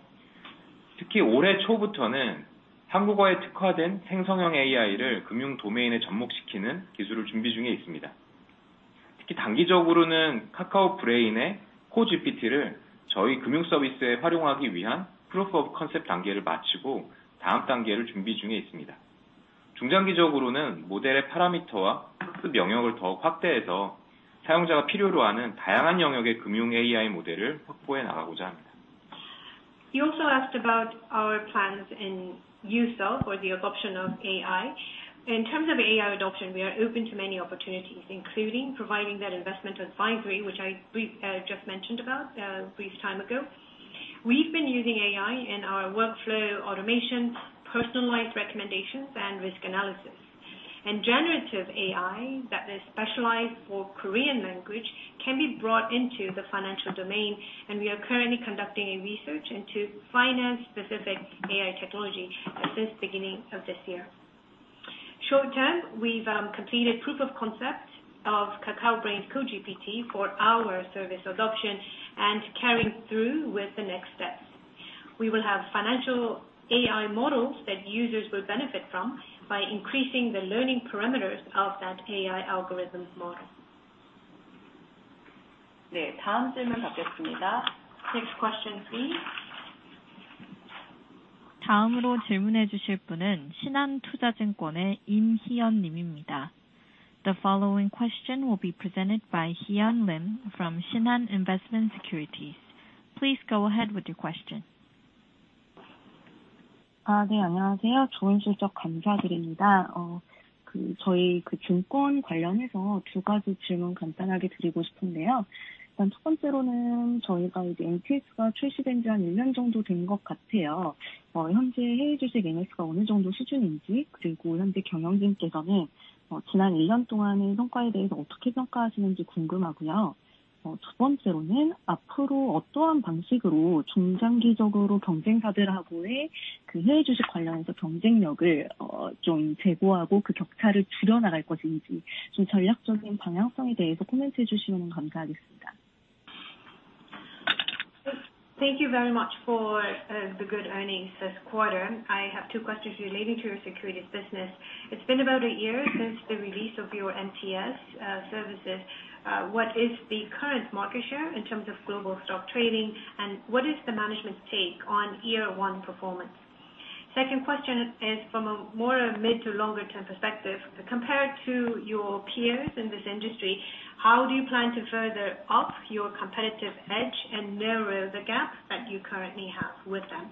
특히 올해 초부터는 한국어에 특화된 생성형 AI를 금융 도메인에 접목시키는 기술을 준비 중에 있습니다. 특히 단기적으로는 카카오 브레인의 KoGPT를 저희 금융 서비스에 활용하기 위한 proof of concept 단계를 마치고 다음 단계를 준비 중에 있습니다. 중장기적으로는 모델의 파라미터와 그 영역을 더욱 확대해서 사용자가 필요로 하는 다양한 영역의 금융 AI 모델을 확보해 나가고자 합니다. You also asked about our plans in use of or the adoption of AI. In terms of AI adoption, we are open to many opportunities, including providing that investment advisory, which I bri- just mentioned about brief time ago. We've been using AI in our workflow automations, personalized recommendations, and risk analysis. And generative AI that is specialized for Korean language can be brought into the financial domain, and we are currently conducting a research into finance-specific AI technology since beginning of this year. Short term, we've completed proof of concept of Kakao Brain's KoGPT for our service adoption and carrying through with the next steps. We will have financial AI models that users will benefit from by increasing the learning parameters of that AI algorithms model. Next question, please. The following question will be presented by Heeyeon Lim from Shinhan Investment & Securities. Please go ahead with your question. Thank you very much for the good earnings this quarter. I have two questions relating to your securities business. It's been about a year since the release of your MTS services. What is the current market share in terms of global stock trading, and what is the management's take on year one performance? Second question is from a more mid to longer term perspective. Compared to your peers in this industry, how do you plan to further up your competitive edge and narrow the gap that you currently have with them?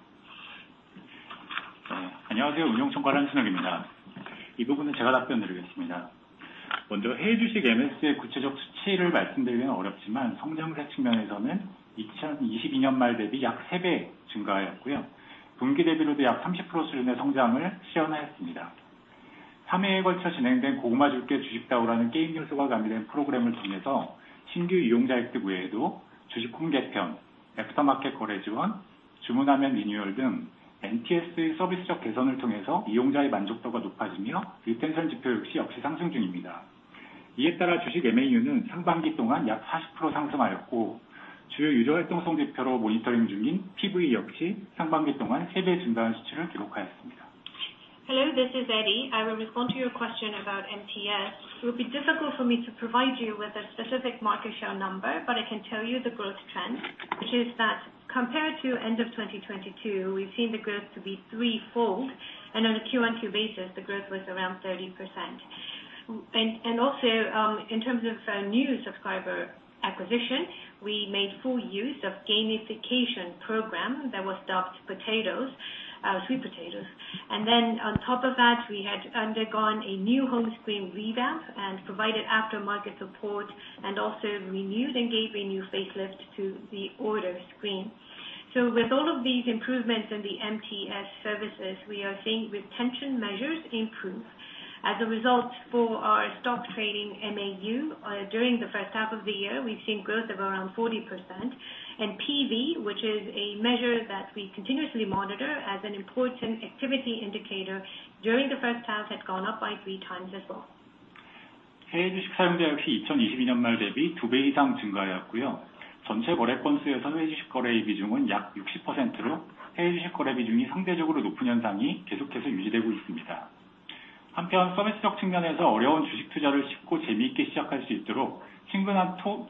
Hello, this is Aiden. I will respond to your question about MTS. It will be difficult for me to provide you with a specific market share number, but I can tell you the growth trend, which is that compared to end of 2022, we've seen the growth to be threefold, and on a Q-on-Q basis, the growth was around 30%. Also, in terms of new subscriber acquisition, we made full use of gamification program that was dubbed Potatoes, Sweet Potatoes. Then on top of that, we had undergone a new home screen revamp and provided aftermarket support, and also renewed and gave a new facelift to the order screen. With all of these improvements in the MTS services, we are seeing retention measures improve. As a result, for our stock trading MAU, during the first half of the year, we've seen growth of around 40%. PV, which is a measure that we continuously monitor as an important activity indicator during the first half, had gone up by 3 times as well. In terms of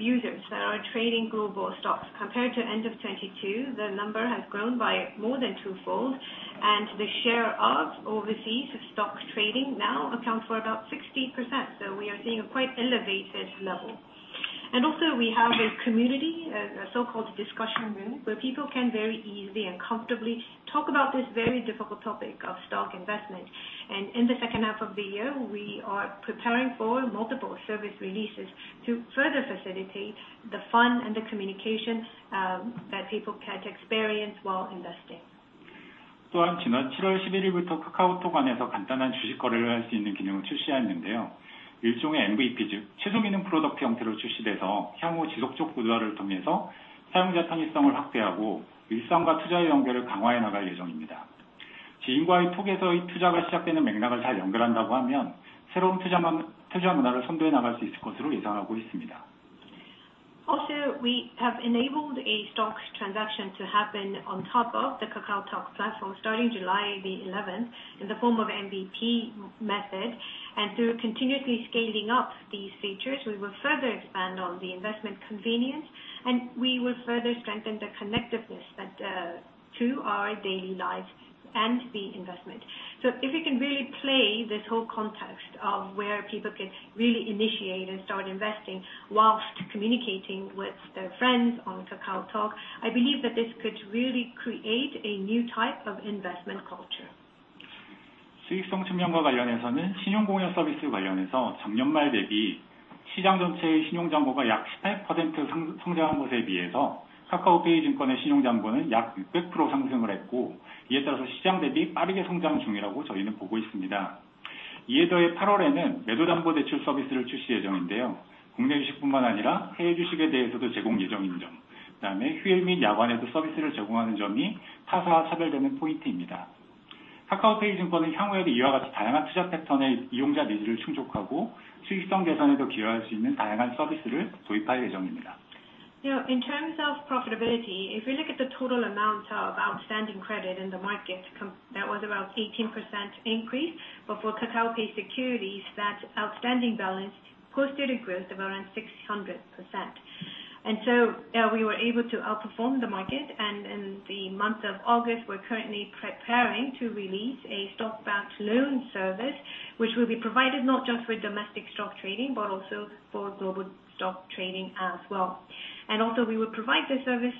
users that are trading global stocks, compared to end of 2022, the number has grown by more than twofold, and the share of overseas stock trading now account for about 60%. We are seeing a quite elevated level. Also we have a community, a so-called discussion room, where people can very easily and comfortably talk about this very difficult topic of stock investment. In the second half of the year, we are preparing for multiple service releases to further facilitate the fun and the communication that people can experience while investing. We have enabled a stock transaction to happen on top of the KakaoTalk platform starting July the eleventh, in the form of MVP method. Through continuously scaling up these features, we will further expand on the investment convenience, and we will further strengthen the connectiveness that to our daily lives and the investment. If we can really play this whole context of where people can really initiate and start investing whilst communicating with their friends on KakaoTalk, I believe that this could really create a new type of investment culture. Yeah, in terms of profitability, if you look at the total amount of outstanding credit in the market that was around 18% increase, but for Kakao Pay Securities, that outstanding balance posted a growth of around 600%. We were able to outperform the market, in the month of August, we're currently preparing to release a stock-backed loan service, which will be provided not just for domestic stock trading, but also for global stock trading as well. We will provide this service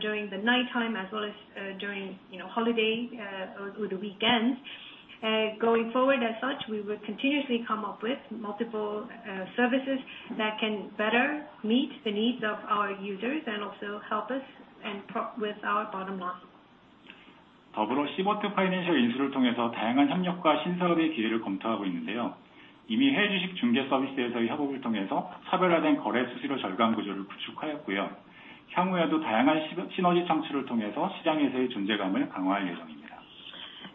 during the nighttime as well as during, you know, holiday or the weekends. Going forward as such, we will continuously come up with multiple services that can better meet the needs of our users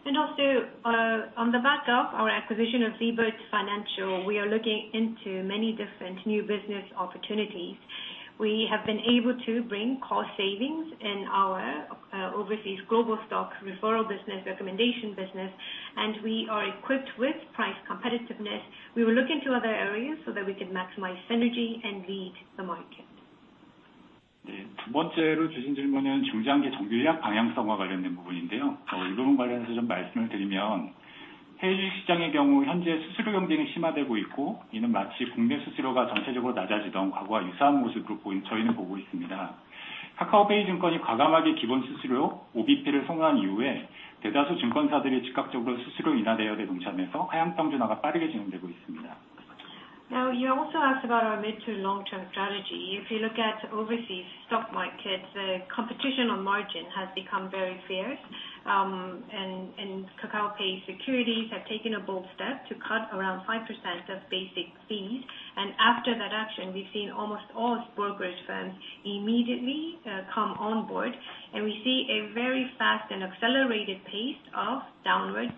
and also help us with our bottom line. On the back of our acquisition of Siebert Financial, we are looking into many different new business opportunities. We have been able to bring cost savings in our overseas global stock referral business, recommendation business, and we are equipped with price competitiveness. We will look into other areas so that we can maximize synergy and lead the market. You also asked about our mid to long-term strategy. If you look at overseas stock markets, the competition on margin has become very fierce. Kakao Pay Securities have taken a bold step to cut around 5% of basic fees, and after that action, we've seen almost all brokerage firms immediately come on board, and we see a very fast and accelerated pace of downward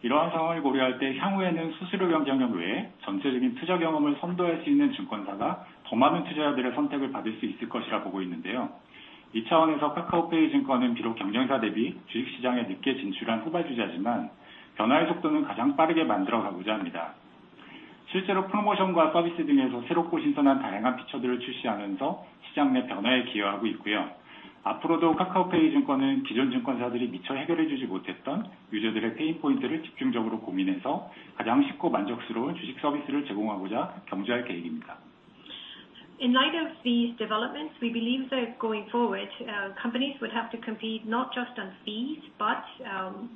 stabilization. In light of these developments, we believe that going forward, companies would have to compete not just on fees, but,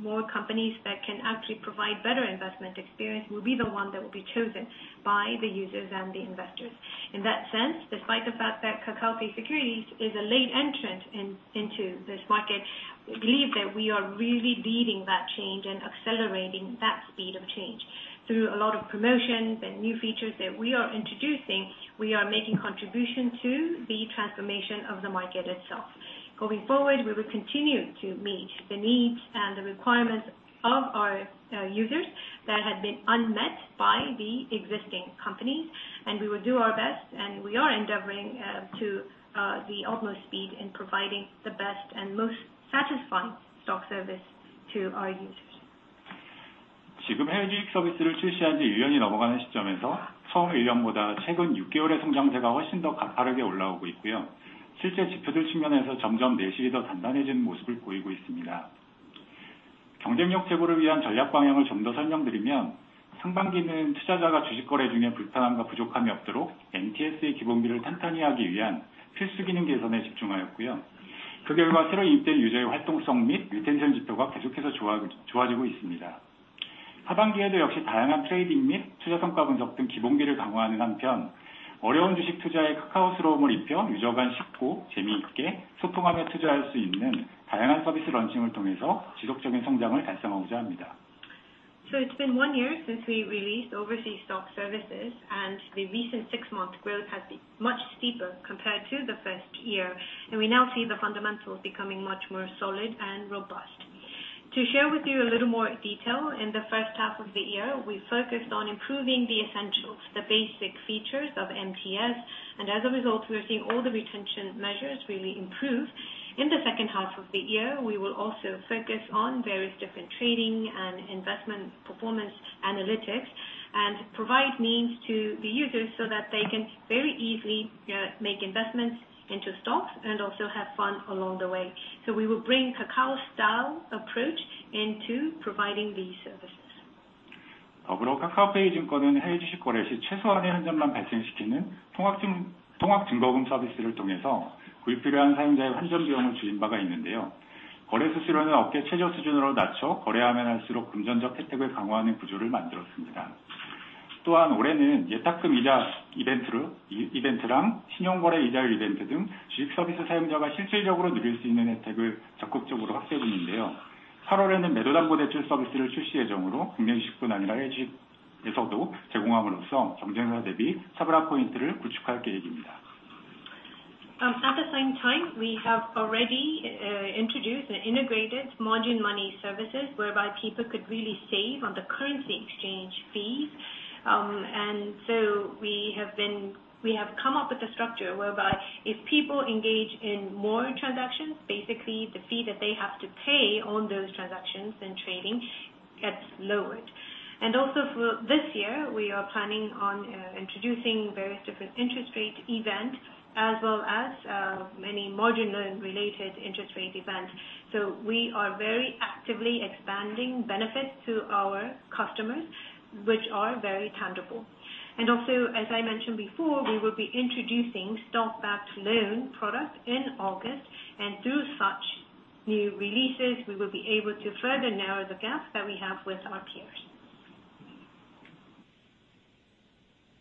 more companies that can actually provide better investment experience will be the one that will be chosen by the users and the investors. In that sense, despite the fact that Kakao Pay Securities is a late entrant into this market, we believe that we are really leading that change and accelerating that speed of change. Through a lot of promotions and new features that we are introducing, we are making contribution to the transformation of the market itself. Going forward, we will continue to meet the needs and the requirements of our users that have been unmet by the existing companies, and we will do our best, and we are endeavoring to the utmost speed in providing the best and most satisfying stock service to our users. It's been 1 year since we released overseas stock services, and the recent 6-month growth has been much steeper compared to the first year, and we now see the fundamentals becoming much more solid and robust. To share with you a little more detail, in the first half of the year, we focused on improving the essentials, the basic features of MTS, and as a result, we are seeing all the retention measures really improve. In the second half of the year, we will also focus on various different trading and investment performance analytics, and provide means to the users so that they can very easily make investments into stocks and also have fun along the way. We will bring Kakao style approach into providing these services. At the same time, we have already introduced an integrated module money services, whereby people could really save on the currency exchange fees. We have come up with a structure whereby if people engage in more transactions, basically the fee that they have to pay on those transactions and trading gets lowered. Also for this year, we are planning on introducing various different interest rate event as well as many module related interest rate events. We are very actively expanding benefits to our customers, which are very tangible. Also, as I mentioned before, we will be introducing stock-backed loan product in August, and through such new releases, we will be able to further narrow the gap that we have with our peers.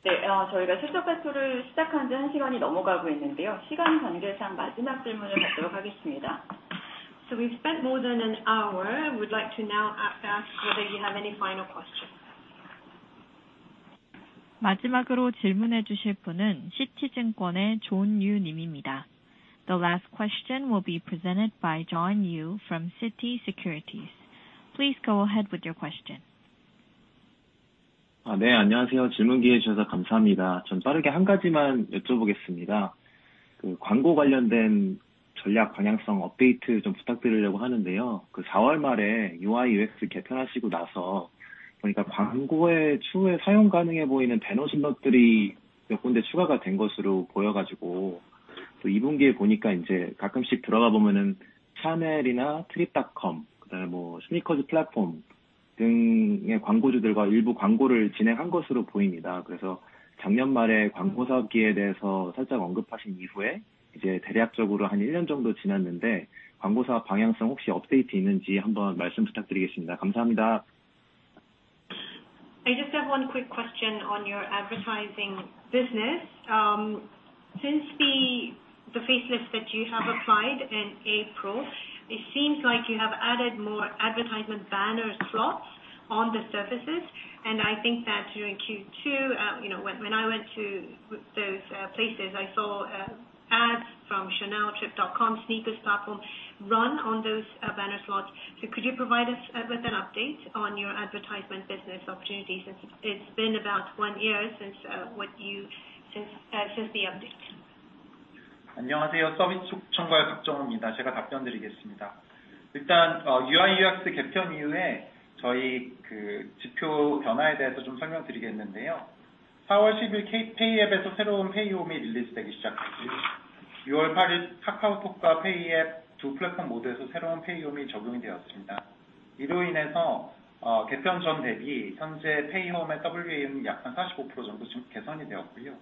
Ne, 저희가 투자 발표를 시작한 지 1시간이 넘어가고 있는데요. 시간 관계상 마지막 질문을 받도록 하겠습니다. So we've spent more than 1 hour. I would like to now ask whether you have any final questions? 마지막으로 질문해 주실 분은 Citi Securities의 John Yoo님입니다. The last question will be presented by John Yoo from Citi Securities. Please go ahead with your question. 아, 네, 안녕하세요, 질문 기회 주셔서 감사합니다. 전 빠르게 한 가지만 여쭤보겠습니다. 그 광고 관련된 전략 방향성 업데이트 좀 부탁드리려고 하는데요. 그 사월 말에 UIUX 개편하시고 나서 보니까, 광고에 추후에 사용 가능해 보이는 배너 신박들이 몇 군데 추가가 된 것으로 보여가지고, 또이 분기에 보니까 이제 가끔씩 들어가 보면 샤넬이나 트립닷컴, 그다음에 뭐, 스니커즈 플랫폼 등의 광고주들과 일부 광고를 진행한 것으로 보입니다. 그래서 작년 말에 광고 사업기에 대해서 살짝 언급하신 이후에, 이제 대략적으로 한일년 정도 지났는데, 광고 사업 방향성 혹시 업데이트 있는지 한번 말씀 부탁드리겠습니다. 감사합니다. I just have one quick question on your advertising business. Since the, the facelift that you have applied in April, it seems like you have added more advertisement banner slots on the surfaces, and I think that during Q2, you know, when, when I went to those places, I saw ads from Chanel, Trip.com, Sneakers Platform run on those banner slots. Could you provide us with an update on your advertisement business opportunities? Since it's been about one year since Since since the update. 안녕하세요, 서비스 총괄 박정우입니다. 제가 답변드리겠습니다. 일단, 어, UIUX 개편 이후에 저희 그 지표 변화에 대해서 좀 설명드리겠는데요. 사월 십일 케이- 페이 앱에서 새로운 페이홈이 릴리즈 되기 시작했고요. 유월 팔일, 카카오톡과 페이 앱, 두 플랫폼 모두에서 새로운 페이홈이 적용이 되었습니다. 이로 인해서, 어, 개편 전 대비 현재 페이홈의 WAM이 약간 사십오 프로 정도 개선이 되었고요.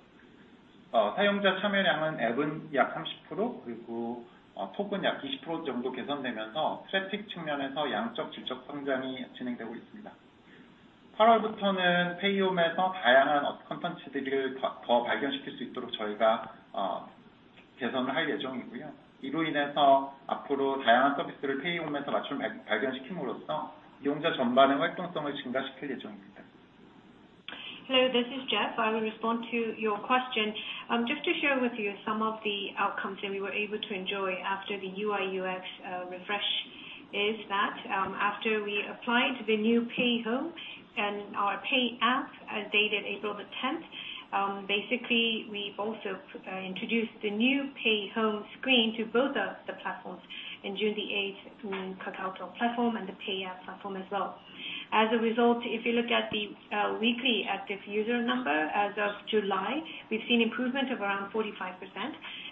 어, 사용자 참여량은 앱은 약 삼십 프로, 그리고, 어, 톡은 약 이십 프로 정도 개선되면서, 트래픽 측면에서 양적, 질적 성장이 진행되고 있습니다. 팔월부터는 페이홈에서 다양한 컨텐츠들을 더, 더 발견시킬 수 있도록 저희가 어, 개선을 할 예정이고요. 이로 인해서 앞으로 다양한 서비스를 페이홈에서 맞춤 발- 발견시킴으로써, 이용자 전반의 활동성을 증가시킬 예정입니다. Hello, this is Jeff. I will respond to your question. Just to share with you some of the outcomes that we were able to enjoy after the UIUX refresh, is that, after we applied the new Pay Home and our Pay app, as dated April the 10th, basically, we've also introduced the new Pay Home screen to both of the platforms in June the 8th, KakaoTalk platform and the Pay app platform as well. As a result, if you look at the weekly active user number, as of July, we've seen improvement of around 45%.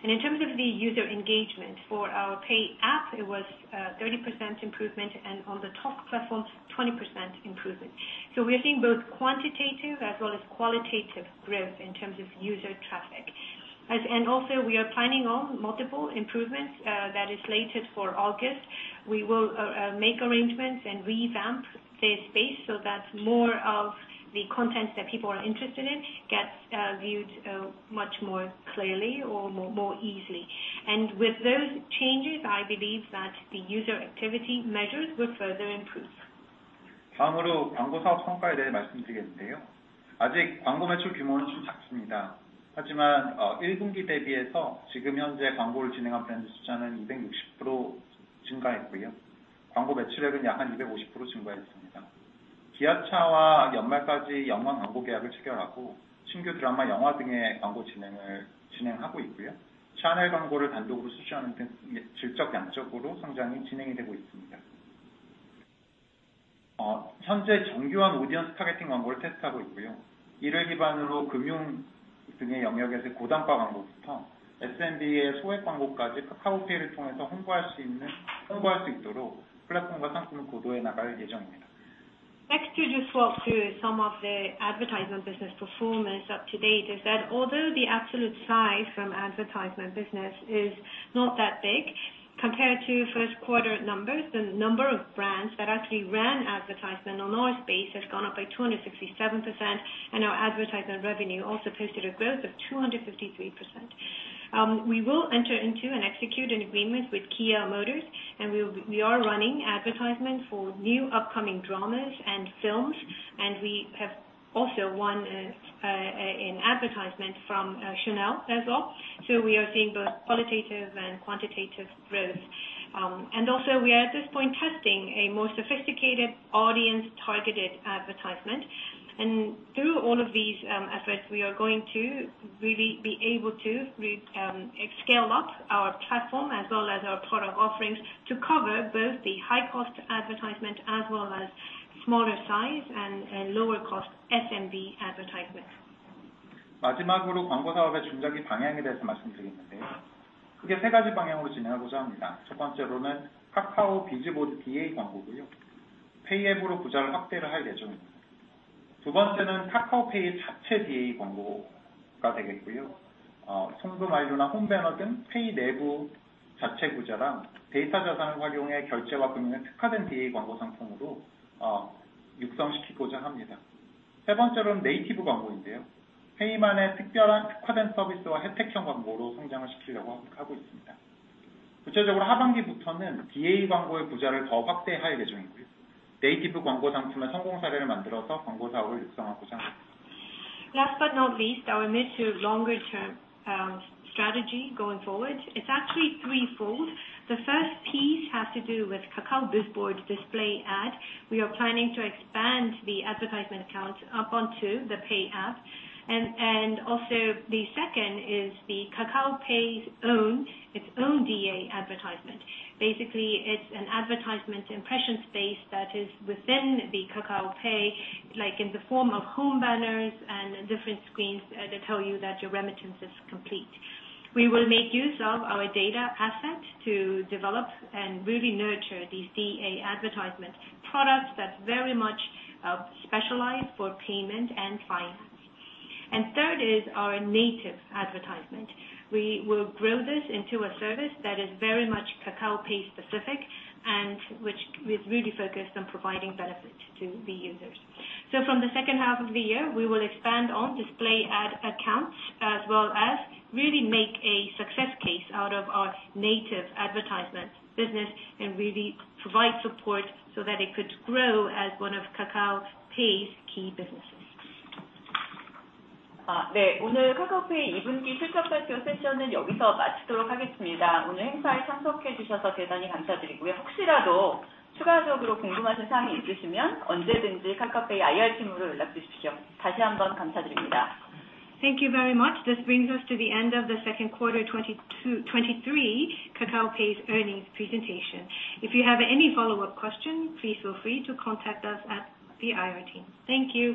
In terms of the user engagement for our Pay app, it was 30% improvement, and on the top platform, 20% improvement. We are seeing both quantitative as well as qualitative growth in terms of user traffic. Also, we are planning on multiple improvements, that is slated for August. We will make arrangements and revamp the space so that more of the content that people are interested in gets viewed much more clearly or more easily. With those changes, I believe that the user activity measures will further improve. 다음으로 광고 사업 성과에 대해 말씀드리겠는데요. 아직 광고 매출 규모는 좀 작습니다. Compared to Q1, 지금 현재 광고를 진행한 브랜드 숫자는 260% 증가했고, 광고 매출액은 approximately 250% 증가했습니다. Kia와 연말까지 연간 광고 계약을 체결하고, 신규 드라마, 영화 등의 광고 진행을 진행하고 있고, Chanel 광고를 단독으로 수주하는 등 예, 질적, 양적으로 성장이 진행이 되고 있습니다. 현재 정교한 오디언스 타겟팅 광고를 테스트하고 있고, 이를 기반으로 금융 등의 영역에서 고단가 광고부터 SMB의 소액 광고까지 Kakao Pay를 통해서 홍보할 수 있는, 홍보할 수 있도록 플랫폼과 상품을 고도해 나갈 예정입니다. ... Next, to just walk through some of the advertisement business performance up to date, is that although the absolute size from advertisement business is not that big compared to Q1 numbers, the number of brands that actually ran advertisement on our space has gone up by 267%, and our advertisement revenue also posted a growth of 253%. We will enter into and execute an agreement with Kia, and we are running advertisement for new upcoming dramas and films, and we have also won an advertisement from Chanel as well. We are seeing both qualitative and quantitative growth. Also we are at this point, testing a more sophisticated audience-targeted advertisement. Through all of these efforts, we are going to really be able to re- scale up our platform as well as our product offerings, to cover both the high cost advertisement as well as smaller size and, and lower cost SMB advertisements. Last but not least, our mid to longer term strategy going forward is actually threefold. The first piece has to do with Kakao Bizboard display ad. We are planning to expand the advertisement accounts up onto the Pay app. Also the second is the Kakao Pay's own, its own DA advertisement. Basically, it's an advertisement impression space that is within the Kakao Pay, like in the form of home banners and different screens that tell you that your remittance is complete. We will make use of our data asset to develop and really nurture the CA advertisement products that's very much specialized for payment and finance. Third is our native advertisement. We will grow this into a service that is very much Kakao Pay specific and which is really focused on providing benefit to the users. From the second half of the year, we will expand on Display Ad accounts, as well as really make a success case out of our native advertisement business and really provide support so that it could grow as one of Kakao Pay's key businesses. Uh, Thank you very much. This brings us to the end of the Q2 2022-2023 Kakao Pay's earnings presentation. If you have any follow-up questions, please feel free to contact us at the IR team. Thank you.